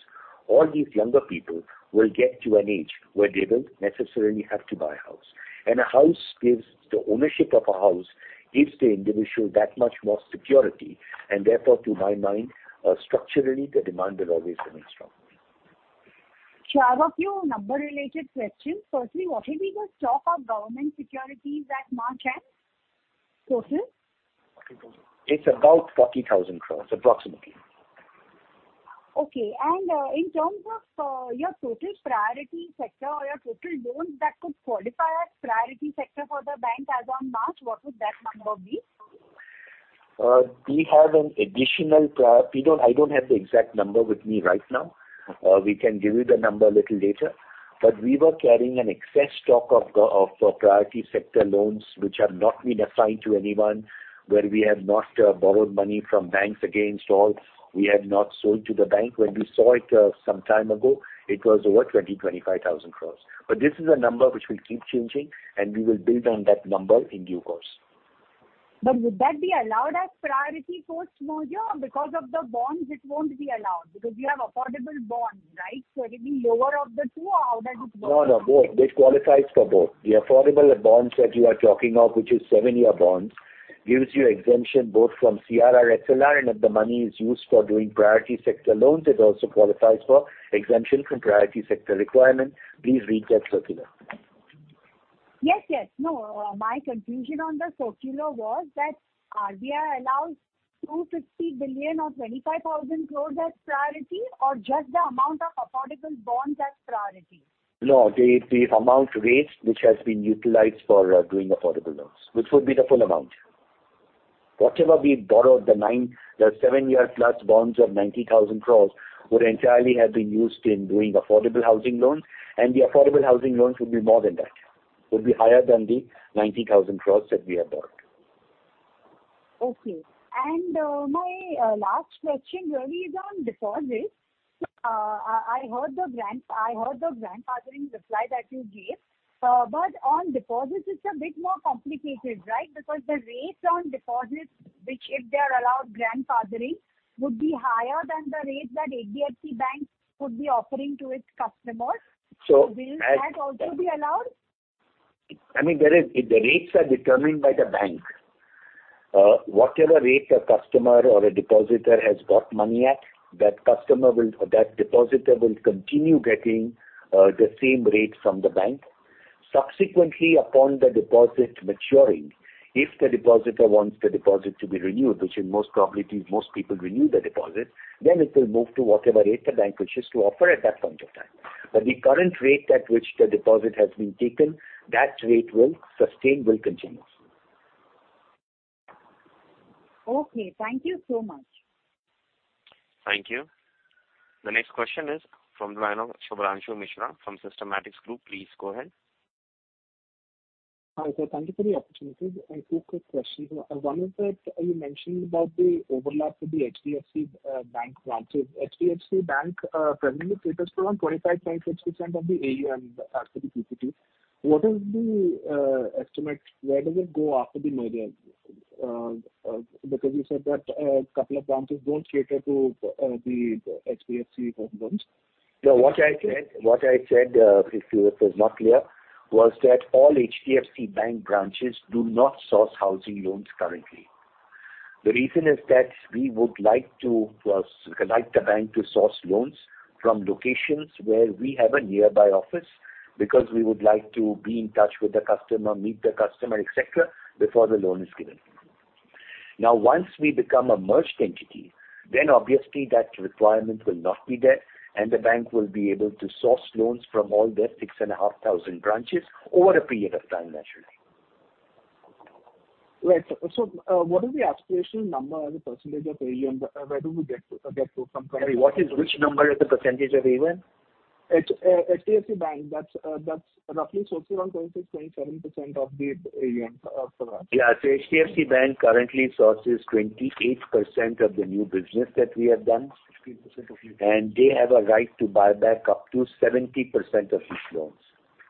all these younger people will get to an age where they will necessarily have to buy a house. A house gives the ownership of a house, gives the individual that much more security. Therefore, to my mind, structurally, the demand will always remain strong. I have a few number-related questions. Firstly, what will be the stock of government securities at March end? Total? It's about INR 40,000 crore, approximately. In terms of your total priority sector or your total loans that could qualify as priority sector for the bank as on March, what would that number be? We don't. I don't have the exact number with me right now. We can give you the number a little later. We were carrying an excess stock of priority sector loans which have not been assigned to anyone, where we have not borrowed money from banks against all, we have not sold to the bank. When we saw it some time ago, it was over 20- 25 thousand crores. This is a number which will keep changing, and we will build on that number in due course. Would that be allowed as priority post-merger? Because of the bonds, it won't be allowed because you have affordable bonds, right? It'll be lower of the two, or how does it work? No, no, both. This qualifies for both. The affordable bonds that you are talking of, which is seven-year bonds, gives you exemption both from CRR, SLR, and if the money is used for doing priority sector loans, it also qualifies for exemption from priority sector requirement. Please read that circular. Yes, yes. No, my confusion on the circular was that we are allowed 250 billion or 25,000 crores as priority or just the amount of affordable bonds as priority? No. The amount raised which has been utilized for doing affordable loans, which would be the full amount. Whatever we borrowed, the seven-year plus bonds of 90,000 crore would entirely have been used in doing affordable housing loans, and the affordable housing loans would be more than that. Would be higher than the 90,000 crore that we have borrowed. Okay. My last question really is on deposits. I heard the grandfathering reply that you gave, but on deposits it's a bit more complicated, right? Because the rates on deposits, which if they're allowed grandfathering, would be higher than the rates that HDFC Bank could be offering to its customers. So, as- Will that also be allowed? I mean, the rates are determined by the bank. Whatever rate a customer or a depositor has got money at, that customer will or that depositor will continue getting the same rate from the bank. Subsequently upon the deposit maturing, if the depositor wants the deposit to be renewed, which in most probabilities most people renew their deposit, then it will move to whatever rate the bank wishes to offer at that point of time. The current rate at which the deposit has been taken, that rate will sustain, will continue. Okay. Thank you so much. Thank you. The next question is from the line of Shubhranshu Mishra from Systematix Group. Please go ahead. Hi, sir. Thank you for the opportunity. I have two quick questions. One is that you mentioned about the overlap with the HDFC bank branches. HDFC Bank currently caters for around 25%-26% of the AUM for the P2P. What is the estimate? Where does it go after the merger? Because you said that a couple of branches don't cater to the HDFC home loans. No, what I said, if it was not clear, was that all HDFC Bank branches do not source housing loans currently. The reason is that we would like to, for us, like the bank to source loans from locations where we have a nearby office because we would like to be in touch with the customer, meet the customer, et cetera, before the loan is given. Now, once we become a merged entity, then obviously that requirement will not be there and the bank will be able to source loans from all their 6,500 branches over a period of time naturally. Right. What is the aspirational number as a percentage of AUM? Where do we get to from current- Sorry, what is which number as a percentage of AUM? HDFC Bank, that's roughly sourcing around 20%-27% of the AUM for that. Yeah. HDFC Bank currently sources 28% of the new business that we have done. 28% of new business. They have a right to buy back up to 70% of these loans.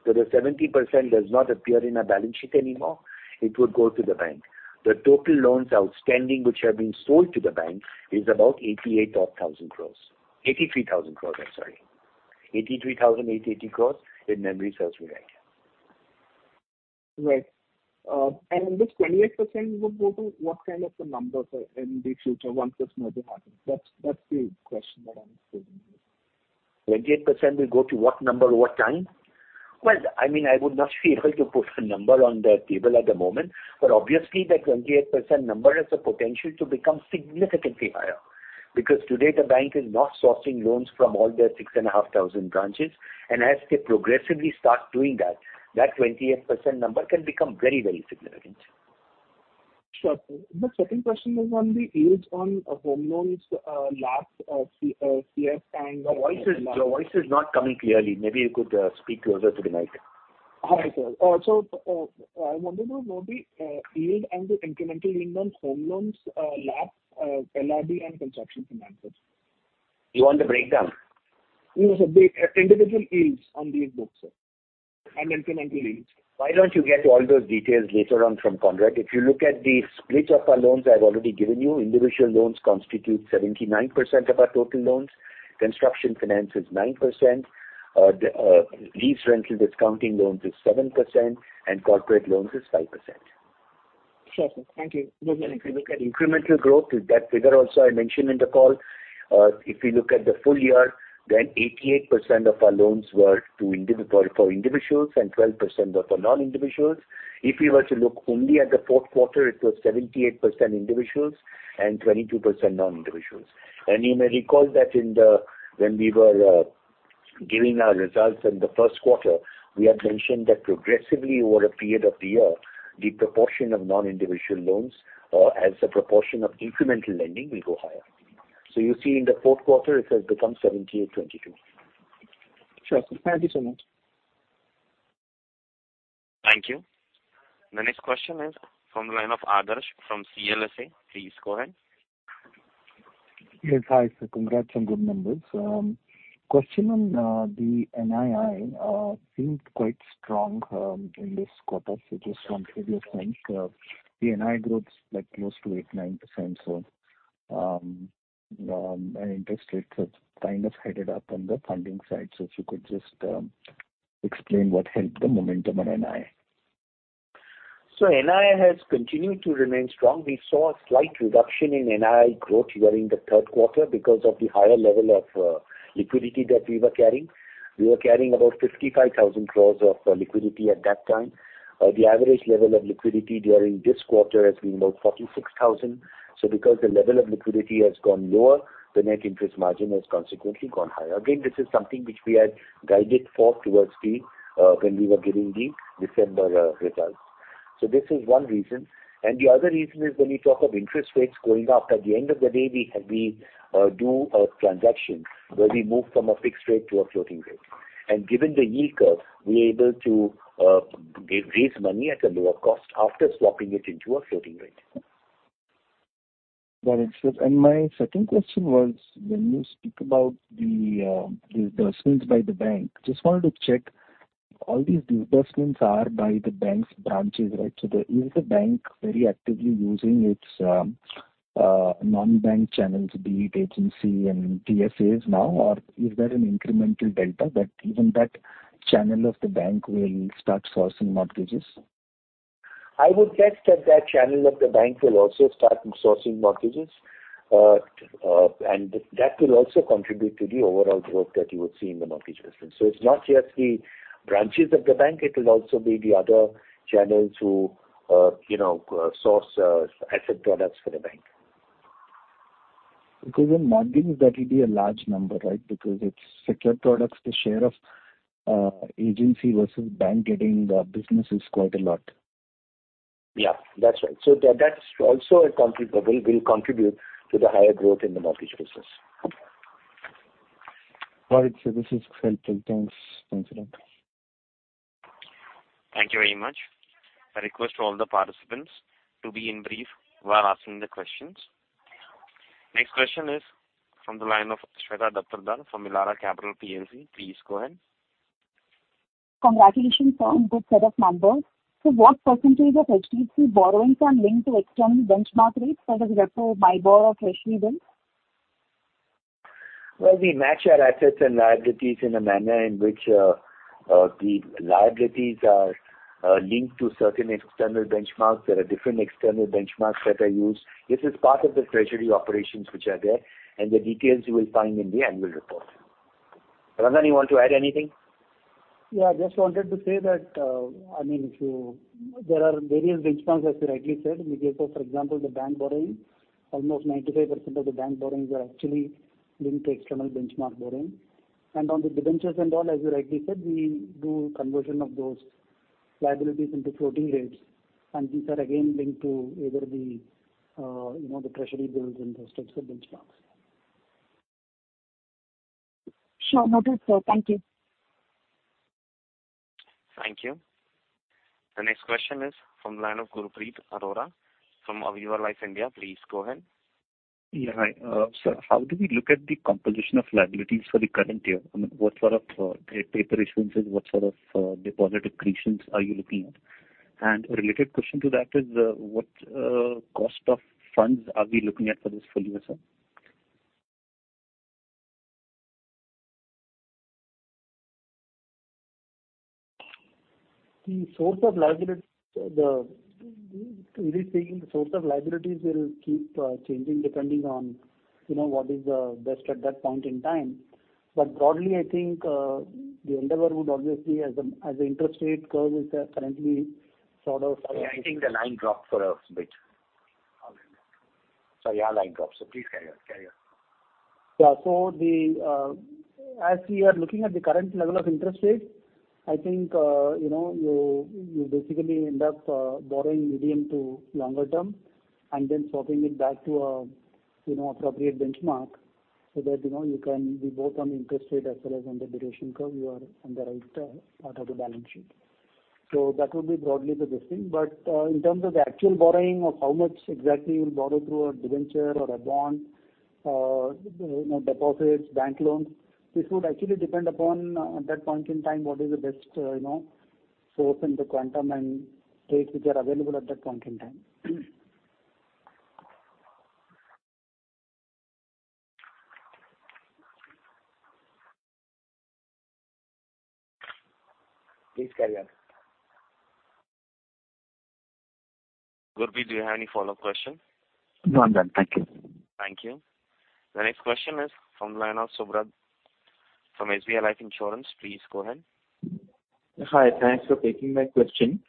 The 70% does not appear in our balance sheet anymore. It would go to the bank. The total loans outstanding which have been sold to the bank is about eighty-eight odd thousand crores. Eighty-three thousand crores, I'm sorry. 83,880 crores, if memory serves me right. Right. This 28% will go to what kind of a number for in the future once this merger happens? That's the question that I'm posing here. 28% will go to what number over time? Well, I mean, I would not be able to put a number on the table at the moment, but obviously the 28% number has the potential to become significantly higher. Because today the bank is not sourcing loans from all their 6,500 branches, and as they progressively start doing that 28% number can become very, very significant. Sure. The second question is on the yield on home loans, last CS times. Your voice is not coming clearly. Maybe you could speak closer to the mic. Hi, sir. I wanted to know the yield and the incremental yield on home loans, LAP and construction finance? You want the breakdown? No, sir. The individual yields on these books, sir, and incremental yields. Why don't you get all those details later on from Conrad? If you look at the splits of our loans I've already given you, individual loans constitute 79% of our total loans. Construction finance is 9%. Lease rental discounting loans is 7%, and corporate loans is 5%. Sure, sir. Thank you. If you look at incremental growth, that figure also I mentioned in the call. If you look at the full year, then 88% of our loans were to individuals and 12% were for non-individuals. If you were to look only at the fourth quarter, it was 78% individuals and 22% non-individuals. You may recall that when we were giving our results in the first quarter, we had mentioned that progressively over a period of the year, the proportion of non-individual loans or as a proportion of incremental lending will go higher. You see in the fourth quarter, it has become 78:22. Sure. Thank you so much. Thank you. The next question is from the line of Adarsh from CLSA. Please go ahead. Yes. Hi, sir. Congrats on good numbers. Question on the NII seemed quite strong in this quarter as against previous times. The NII growth is like close to 8%-9%. Our interest rates have kind of headed up on the funding side. If you could just explain what helped the momentum on NII. NII has continued to remain strong. We saw a slight reduction in NII growth during the third quarter because of the higher level of liquidity that we were carrying. We were carrying about 55,000 crores of liquidity at that time. The average level of liquidity during this quarter has been about 46,000. Because the level of liquidity has gone lower, the net interest margin has consequently gone higher. Again, this is something which we had guided for towards the when we were giving the December results. This is one reason. The other reason is when you talk of interest rates going up, at the end of the day we do a transaction where we move from a fixed rate to a floating rate. Given the yield curve, we are able to raise money at a lower cost after swapping it into a floating rate. Got it, sir. My second question was, when you speak about the disbursements by the bank, just wanted to check all these disbursements are by the bank's branches, right? Is the bank very actively using its non-bank channels, be it agency and DSAs now, or is there an incremental delta that even that channel of the bank will start sourcing mortgages? I would guess that that channel of the bank will also start sourcing mortgages. That will also contribute to the overall growth that you would see in the mortgage business. It's not just the branches of the bank, it will also be the other channels who, you know, source asset products for the bank. Because in mortgages that will be a large number, right? Because it's secured products. The share of, agency versus bank getting the business is quite a lot. Yeah, that's right. That, that's also will contribute to the higher growth in the mortgage business. All right, sir. This is helpful. Thanks. Thanks a lot. Thank you very much. I request all the participants to be in brief while asking the questions. Next question is from the line of Shweta Daptardar from Elara Capital Plc. Please go ahead. Congratulations on good set of numbers. What percentage of HDFC borrowings are linked to external benchmark rates as opposed to MIBOR, treasury bills? Well, we match our assets and liabilities in a manner in which the liabilities are linked to certain external benchmarks. There are different external benchmarks that are used. This is part of the treasury operations which are there, and the details you will find in the annual report. V.S. Rangan, you want to add anything? Yeah, I just wanted to say that, I mean, there are various benchmarks, as you rightly said. If you take, for example, the bank borrowing, almost 95% of the bank borrowings are actually linked to external benchmark borrowing. On the debentures and all, as you rightly said, we do conversion of those liabilities into floating rates. These are again linked to either the, you know, the treasury bills and the structured benchmarks. Sure. Noted, sir. Thank you. Thank you. The next question is from the line of Gurpreet Arora from Aviva Life India. Please go ahead. Yeah. Hi. How do we look at the composition of liabilities for the current year? I mean, what sort of paper issuances, what sort of deposit accretions are you looking at? A related question to that is, what cost of funds are we looking at for this full year, sir? Clearly speaking, the source of liabilities will keep changing depending on, you know, what is the best at that point in time. Broadly, I think the endeavor would obviously as the interest rate curve is currently sort of. Yeah, I think the line dropped for a bit. Sorry, our line dropped. Please carry on. Yeah. As we are looking at the current level of interest rates, I think, you know, you basically end up borrowing medium to longer term and then swapping it back to a, you know, appropriate benchmark so that, you know, you can be both on interest rate as well as on the duration curve, you are on the right part of the balance sheet. That would be broadly the best thing. In terms of the actual borrowing of how much exactly you'll borrow through a debenture or a bond, you know, deposits, bank loans, this would actually depend upon at that point in time, what is the best, you know, source and the quantum and rates which are available at that point in time. Please carry on. Gurpreet, do you have any follow-up question? No, I'm done. Thank you. Thank you. The next question is from the line of Subrat from SBI Life Insurance. Please go ahead. Hi. Thanks for taking my question.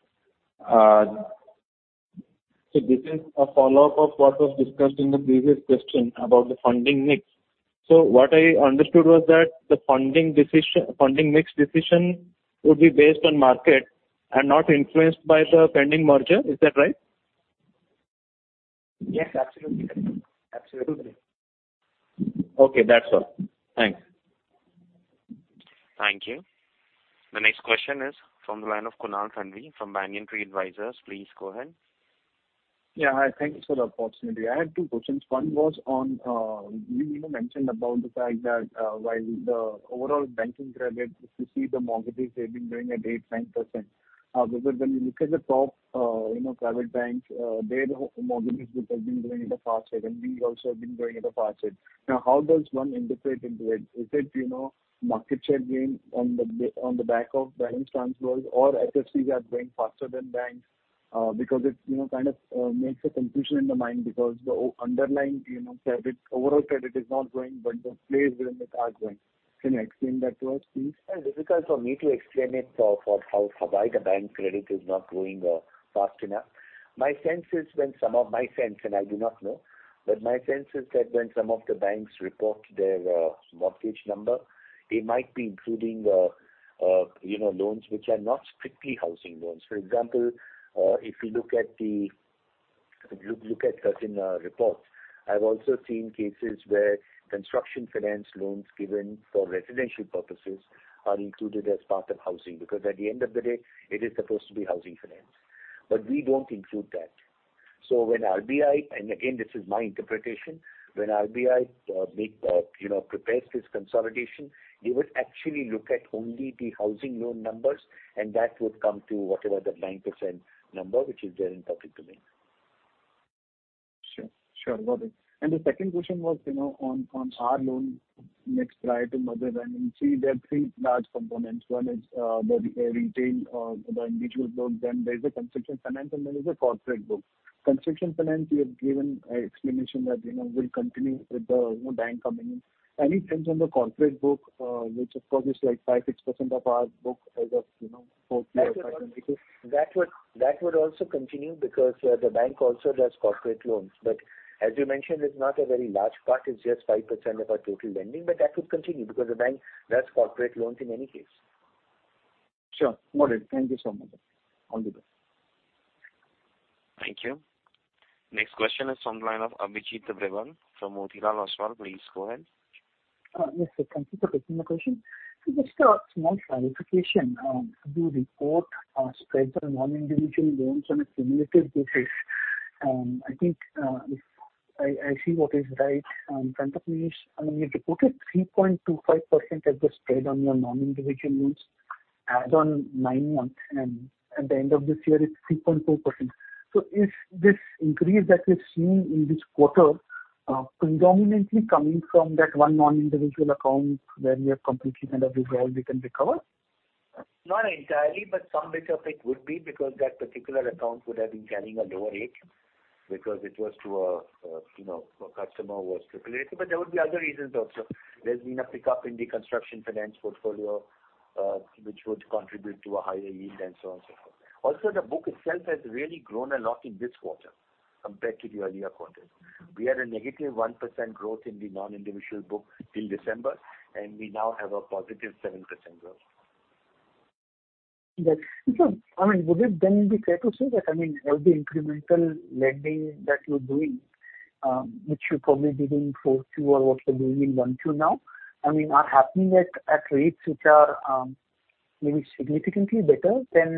This is a follow-up of what was discussed in the previous question about the funding mix. What I understood was that the funding mix decision would be based on market and not influenced by the pending merger. Is that right? Yes, absolutely. Absolutely. Okay. That's all. Thanks. Thank you. The next question is from the line of Kunal Thanvi from Banyan Tree Advisors. Please go ahead. Yeah. Hi, thank you for the opportunity. I had two questions. One was on, you know, you mentioned about the fact that, while the overall banking credit, if you see the mortgages, they've been growing at 8%-9%. Because when you look at the top, you know, private banks, their mortgages group has been growing at a faster and we also have been growing at a faster. Now how does one interpret into it? Is it, you know, market share gain on the back of balance transfers or HFCs are growing faster than banks? Because it, you know, kind of, makes a confusion in the mind because the underlying, you know, credit, overall credit is not growing, but the players within it are growing. Can you explain that to us, please? Well, difficult for me to explain how, why the bank credit is not growing fast enough. My sense is, and I do not know, but my sense is that when some of the banks report their mortgage number, it might be including, you know, loans which are not strictly housing loans. For example, if you look at certain reports, I've also seen cases where construction finance loans given for residential purposes are included as part of housing, because at the end of the day, it is supposed to be housing finance. But we don't include that. When RBI, and again this is my interpretation, you know, prepares this consolidation, they would actually look at only the housing loan numbers and that would come to whatever the 9% number which is there in public domain. Sure. Got it. The second question was on our loan mix prior to merger, and see there are three large components. One is the retail, the individual book, then there's construction finance and there is a corporate book. Construction finance, you have given an explanation that will continue with the bank coming in. Any sense on the corporate book, which of course is like 5%-6% of our book as of fourth quarter. That would also continue because the bank also does corporate loans. As you mentioned, it's not a very large part. It's just 5% of our total lending. That would continue because the bank does corporate loans in any case. Sure. Got it. Thank you so much. All the best. Thank you. Next question is from the line of Abhijit Tibrewal from Motilal Oswal. Please go ahead. Yes, sir. Thank you for taking the question. Just a small clarification. You report spreads on non-individual loans on a cumulative basis. I think if I see what is right in front of me is, I mean, you reported 3.25% as the spread on your non-individual loans as on nine months, and at the end of this year it's 3.4%. Is this increase that we've seen in this quarter predominantly coming from that one non-individual account where we have completely kind of written off we can recover? Not entirely, but some bit of it would be because that particular account would have been carrying a lower rate because it was to a, you know, a customer was speculative. There would be other reasons also. There's been a pickup in the construction finance portfolio, which would contribute to a higher yield and so on and so forth. Also, the book itself has really grown a lot in this quarter compared to the earlier quarters. We had a negative 1% growth in the non-individual book till December, and we now have a positive 7% growth. Yes. I mean, would it then be fair to say that, I mean, all the incremental lending that you're doing, which you probably did in 4:2 or what you're doing in 1:2 now, I mean, are happening at rates which are, maybe significantly better than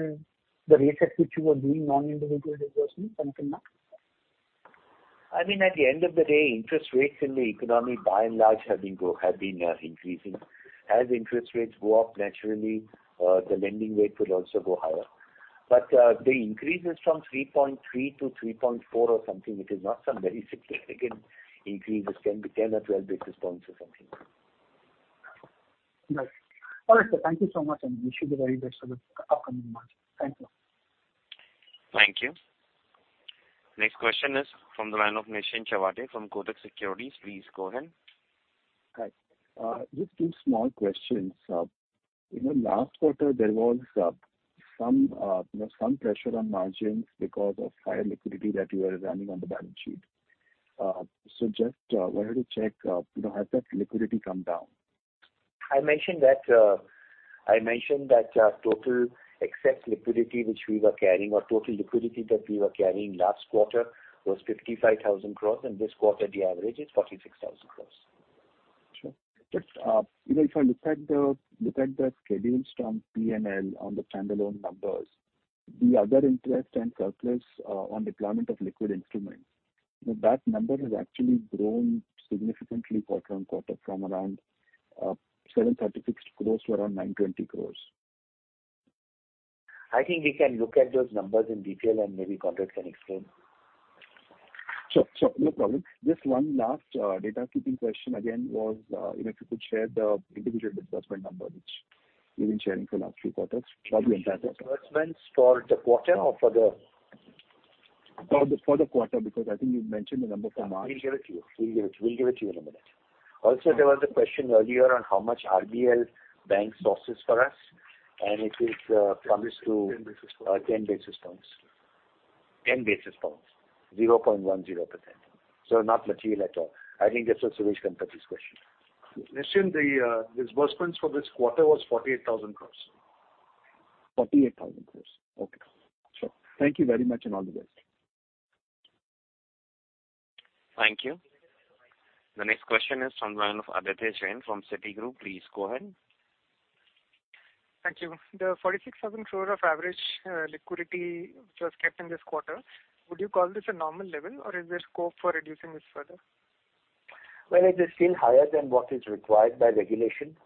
the rates at which you were doing non-individual disbursements until now? I mean, at the end of the day, interest rates in the economy by and large have been increasing. As interest rates go up, naturally, the lending rate will also go higher. The increase is from 3.3-3.4 or something, which is not some very significant increase. It's 10-12 basis points or something. Right. All right, sir. Thank you so much, and wish you the very best for the upcoming months. Thank you. Thank you. Next question is from the line of Nischint Chawathe from Kotak Securities. Please go ahead. Hi. Just two small questions. You know, last quarter there was some pressure on margins because of higher liquidity that you were running on the balance sheet. Just wanted to check, you know, has that liquidity come down? I mentioned that total excess liquidity which we were carrying or total liquidity that we were carrying last quarter was 55,000 crore, and this quarter the average is 46,000 crore. Sure. Just, you know, if I look at the schedules from P&L on the standalone numbers, the other interest and surplus on deployment of liquid instruments, you know, that number has actually grown significantly quarter-over-quarter from around 736 crores to around 920 crores. I think we can look at those numbers in detail, and maybe Conrad can explain. Sure, sure. No problem. Just one last, data keeping question again was, you know, if you could share the individual disbursement number which you've been sharing for the last few quarters. That'll be fantastic. Disbursements for the quarter or for the. For the quarter because I think you've mentioned the number for March. We'll give it to you. We'll give it to you. We'll give it to you in a minute. Also, there was a question earlier on how much RBL Bank sources for us, and it comes to. 10 basis points. 10 basis points. 10 basis points, 0.10%. Not material at all. I think that's also Conrad's question. Nischint, the disbursements for this quarter was 48,000 crores. 48,000 crores. Okay. Sure. Thank you very much and all the best. Thank you. The next question is from the line of Aditya Jain from Citigroup. Please go ahead. Thank you. The 46,000 crore of average liquidity which was kept in this quarter, would you call this a normal level or is there scope for reducing this further? Well, it is still higher than what is required by regulation.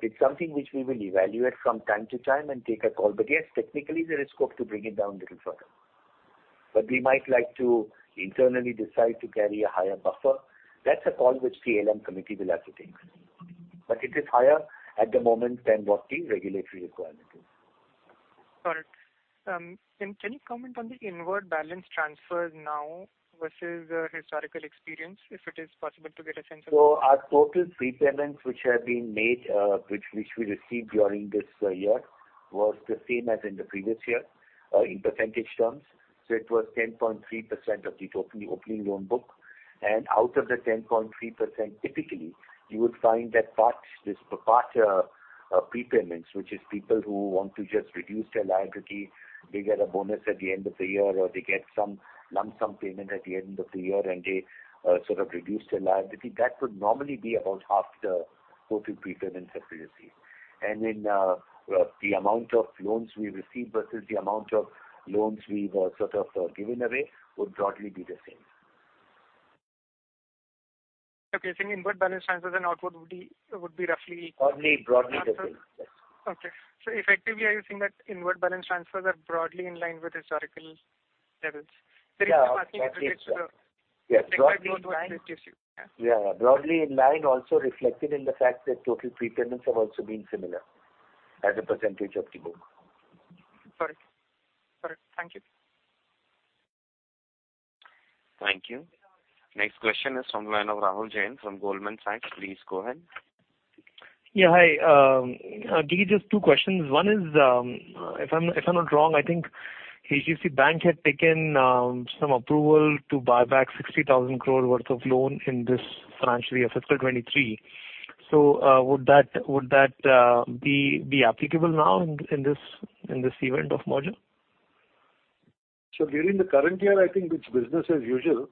It's something which we will evaluate from time to time and take a call. Yes, technically there is scope to bring it down a little further. We might like to internally decide to carry a higher buffer. That's a call which the ALCO committee will have to take. It is higher at the moment than what the regulatory requirement is. Got it. Can you comment on the inward balance transfers now versus historical experience, if it is possible to get a sense of it? Our total prepayments which we received during this year was the same as in the previous year in percentage terms. It was 10.3% of the total opening loan book. Out of the 10.3%, typically you would find that part, this part prepayments, which is people who want to just reduce their liability, they get a bonus at the end of the year or they get some lump sum payment at the end of the year and they sort of reduce their liability. That would normally be about half the total prepayments that we receive. The amount of loans we receive versus the amount of loans we were sort of giving away would broadly be the same. Okay. You're saying inward balance transfers and outward would be roughly. Broadly the same. Yes. Okay. Effectively are you saying that inward balance transfers are broadly in line with historical levels? Yeah. There is no masking effect due to the. Yes. Yeah. Broadly in line, also reflected in the fact that total prepayments have also been similar as a percentage of the book. Got it. Thank you. Thank you. Next question is from the line of Rahul Jain from Goldman Sachs. Please go ahead. Yeah. Hi. JD, just two questions. One is, if I'm not wrong, I think HDFC Bank had taken some approval to buy back 60,000 crore worth of loan in this financial year, fiscal 2023. Would that be applicable now in this event of merger? During the current year I think it's business as usual.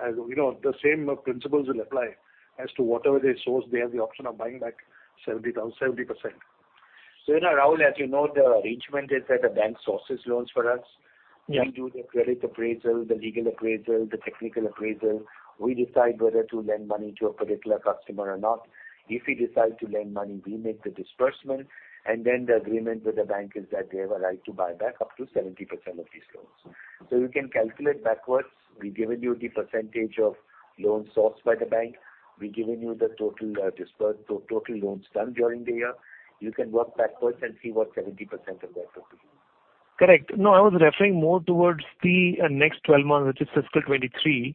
As you know, the same principles will apply. As to whatever they source, they have the option of buying back 70%. You know, Rahul, as you know, the arrangement is that a bank sources loans for us. Yeah. We do the credit appraisal, the legal appraisal, the technical appraisal. We decide whether to lend money to a particular customer or not. If we decide to lend money, we make the disbursement and then the agreement with the bank is that they have a right to buy back up to 70% of these loans. You can calculate backwards. We've given you the percentage of loans sourced by the bank. We've given you the total disbursement-to-total loans done during the year. You can work backwards and see what 70% of that would be. Correct. No, I was referring more towards the next 12 months, which is fiscal 2023.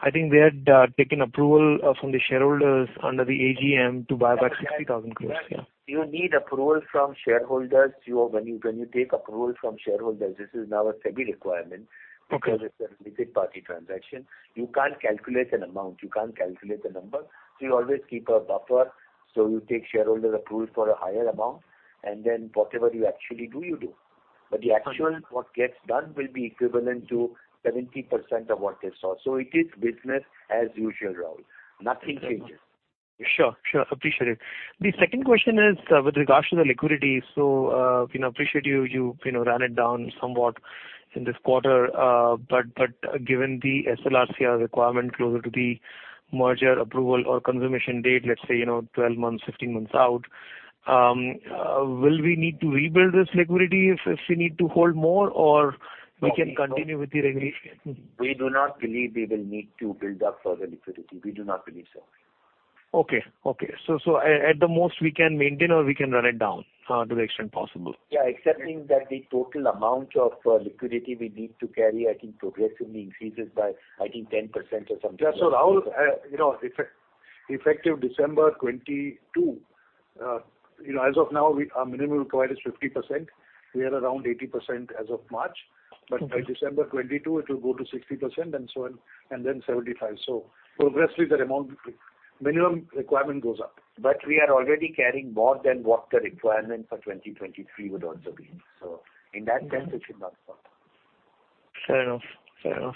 I think they had taken approval from the shareholders under the AGM to buy back 60,000 crore. Yeah. You need approval from shareholders. When you take approval from shareholders, this is now a SEBI requirement. Okay Because it's a related party transaction. You can't calculate an amount, you can't calculate a number, so you always keep a buffer. You take shareholder approval for a higher amount, and then whatever you actually do, you do. The actual what gets done will be equivalent to 70% of what they saw. It is business as usual, Rahul. Nothing changes. Sure. Appreciate it. The second question is, with regards to the liquidity. You know, appreciate you you know ran it down somewhat in this quarter. But given the SLR requirement closer to the merger approval or confirmation date, let's say, you know, 12 months, 15 months out, will we need to rebuild this liquidity if we need to hold more or we can continue with the regulation? We do not believe we will need to build up further liquidity. We do not believe so. At the most we can maintain or we can run it down to the extent possible. Yeah. Except that the total amount of liquidity we need to carry, I think progressively increases by, I think, 10% or something. Rahul, you know, effective December 2022, you know, as of now our minimum required is 50%. We are around 80% as of March. Okay. By December 2022 it will go to 60% and so on, and then 75%. Progressively the amount minimum requirement goes up. We are already carrying more than what the requirement for 2023 would also be. In that sense it should not fall. Fair enough. Fair enough.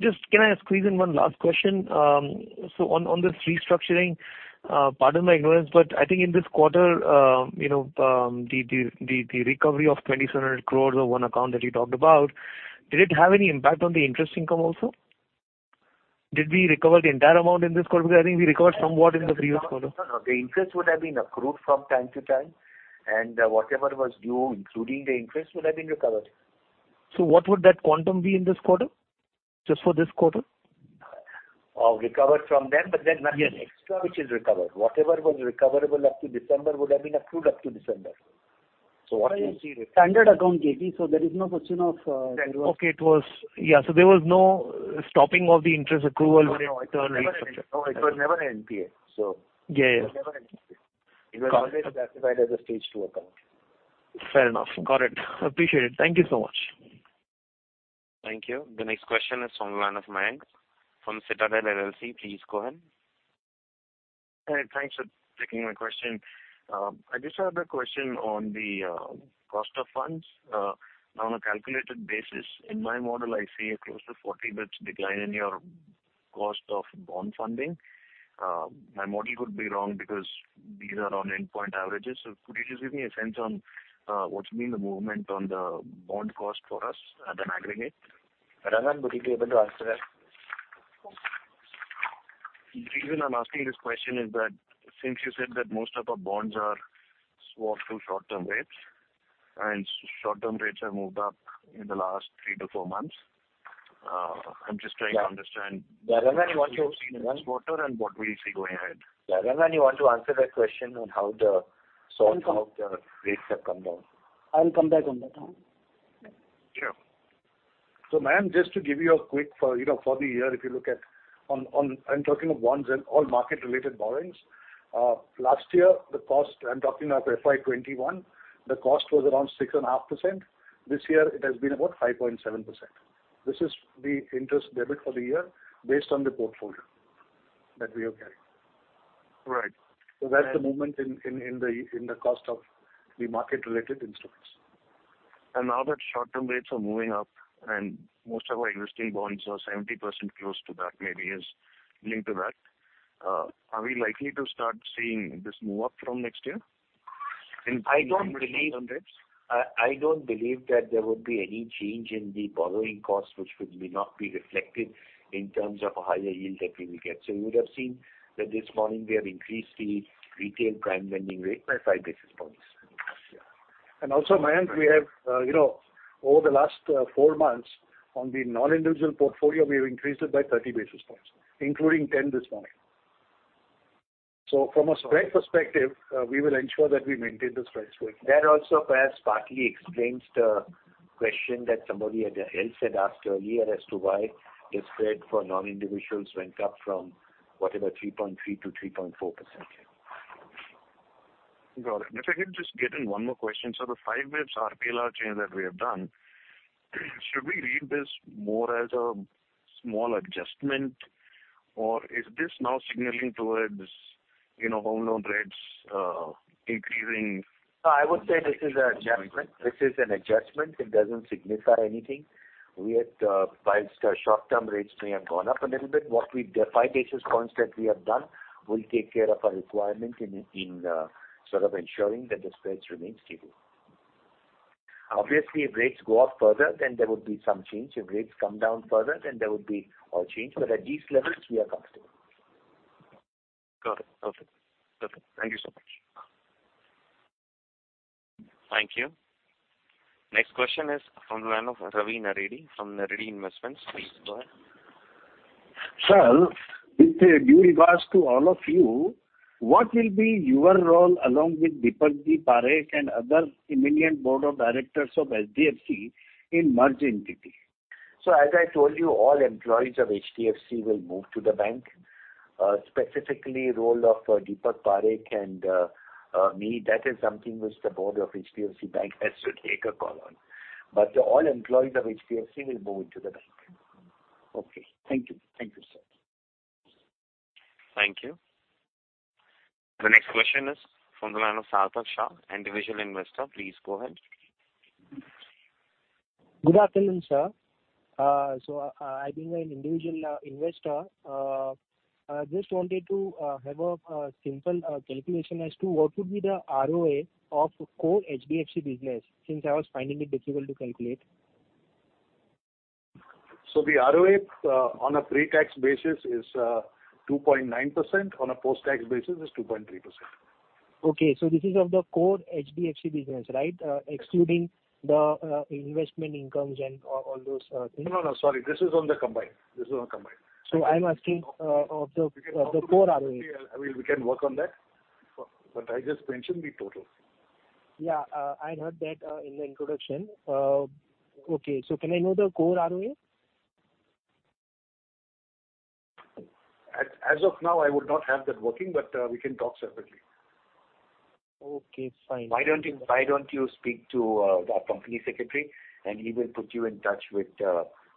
Just can I squeeze in one last question? So on this restructuring, pardon my ignorance, but I think in this quarter, you know, the recovery of 2,700 crores or one account that you talked about, did it have any impact on the interest income also? Did we recover the entire amount in this quarter? Because I think we recovered somewhat in the previous quarter. No, no. The interest would have been accrued from time to time, and whatever was due, including the interest, would have been recovered. What would that quantum be in this quarter? Just for this quarter? Recovered from then, but then nothing extra which is recovered. Whatever was recoverable up to December would have been accrued up to December. What you see- Standard account, JP, so there is no question of. There was no stopping of the interest accrual internally. No, it was never NPA, so. Yeah, yeah. It was never NPA. Got it. It was always classified as a stage two account. Fair enough. Got it. Appreciate it. Thank you so much. Thank you. The next question is from the line of Mayank from Citadel LLC. Please go ahead. Hey, thanks for taking my question. I just have a question on the cost of funds. On a calculated basis, in my model, I see a close to 40 basis points decline in your cost of bond funding. My model could be wrong because these are on endpoint averages. Could you just give me a sense on what's been the movement on the bond cost for us in aggregate? Rangan, would you be able to answer that? The reason I'm asking this question is that since you said that most of our bonds are swapped to short-term rates, and short-term rates have moved up in the last three to four months, I'm just trying to understand. Rangan, you want to What we've seen in this quarter and what we'll see going ahead. Rangan, you want to answer that question on how the rates have come down. I'll come back on that one. Sure. Mayank, just to give you a quick for, you know, for the year, if you look at on, I'm talking of bonds and all market-related borrowings. Last year the cost, I'm talking of FY 2021, the cost was around 6.5%. This year it has been about 5.7%. This is the interest debit for the year based on the portfolio that we have carried. Right. That's the movement in the cost of the market-related instruments. Now that short-term rates are moving up and most of our existing bonds are 70% close to that maybe is linked to that, are we likely to start seeing this move up from next year in- I don't believe. In terms of interest rates? I don't believe that there would be any change in the borrowing cost which may not be reflected in terms of a higher yield that we will get. You would have seen that this morning we have increased the retail prime lending rate by five basis points. Yeah, Mayank, we have, you know, over the last four months on the non-individual portfolio, we have increased it by 30 basis points, including 10 this morning. From a spread perspective, we will ensure that we maintain the spreads for you. That also perhaps partly explains the question that somebody else had asked earlier as to why the spread for non-individuals went up from whatever 3.3%-3.4%. Got it. If I can just get in one more question. The five basis points RPLR change that we have done, should we read this more as a small adjustment or is this now signaling towards, you know, home loan rates increasing? No, I would say this is an adjustment. It doesn't signify anything. We had, whilst our short-term rates may have gone up a little bit, the five basis points that we have done will take care of our requirement in sort of ensuring that the spreads remains stable. Obviously, if rates go up further, then there would be some change. If rates come down further, then there would be a change. At these levels we are comfortable. Got it. Perfect. Perfect. Thank you so much. Thank you. Next question is from the line of Ravi Naredi from Naredi Investment Private Limited. Please go ahead. Sir, with regards to all of you, what will be your role along with Deepak Parekh and other eminent Board of Directors of HDFC in merged entity? As I told you, all employees of HDFC will move to the bank. Specifically role of Deepak Parekh and me, that is something which the board of HDFC Bank has to take a call on. All employees of HDFC will move into the bank. Okay. Thank you. Thank you, sir. Thank you. The next question is from the line of Sartaj Shah, Individual Investor. Please go ahead. Good afternoon, sir. I being an individual investor, I just wanted to have a simple calculation as to what would be the ROA of core HDFC business, since I was finding it difficult to calculate. The ROA on a pre-tax basis is 2.9%. On a post-tax basis is 2.3%. Okay. This is of the core HDFC business, right? Excluding the investment incomes and all those things. No, no. Sorry. This is on the combined. This is on combined. I'm asking of the core ROA. I mean, we can work on that, but I just mentioned the total. Yeah. I heard that in the introduction. Okay. Can I know the core ROA? As of now I would not have that working, but we can talk separately. Okay, fine. Why don't you speak to our company secretary and he will put you in touch with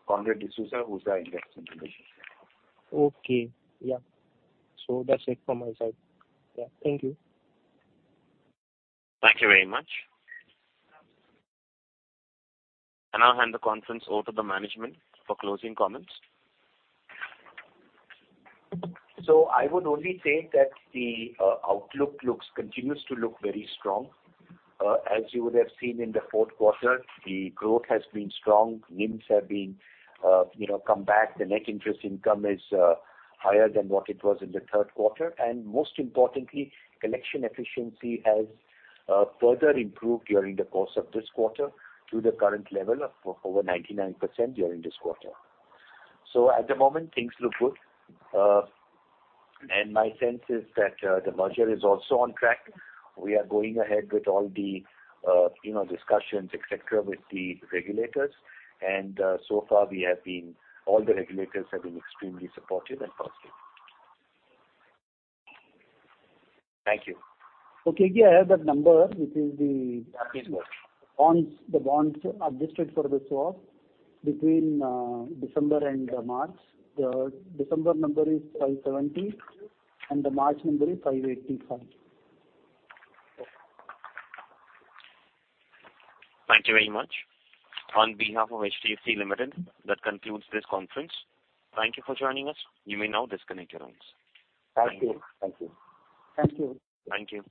Conrad D'Souza, who's our Investor Relations head? Okay. Yeah. That's it from my side. Yeah. Thank you. Thank you very much. I now hand the conference over to the management for closing comments. I would only say that the outlook looks, continues to look very strong. As you would have seen in the fourth quarter, the growth has been strong. NIMs have been, you know, come back. The net interest income is higher than what it was in the third quarter. Most importantly, collection efficiency has further improved during the course of this quarter to the current level of over 99% during this quarter. At the moment things look good. My sense is that the merger is also on track. We are going ahead with all the, you know, discussions, et cetera, with the regulators. So far, all the regulators have been extremely supportive and positive. Thank you. Okay. Yeah, I have that number. Yeah, please go ahead. Bonds, the bonds adjusted for the swap between December and March. The December number is 5.70%, and the March number is 5.85%. Thank you very much. On behalf of HDFC Limited, that concludes this conference. Thank you for joining us. You may now disconnect your lines. Thank you. Thank you. Thank you. Thank you.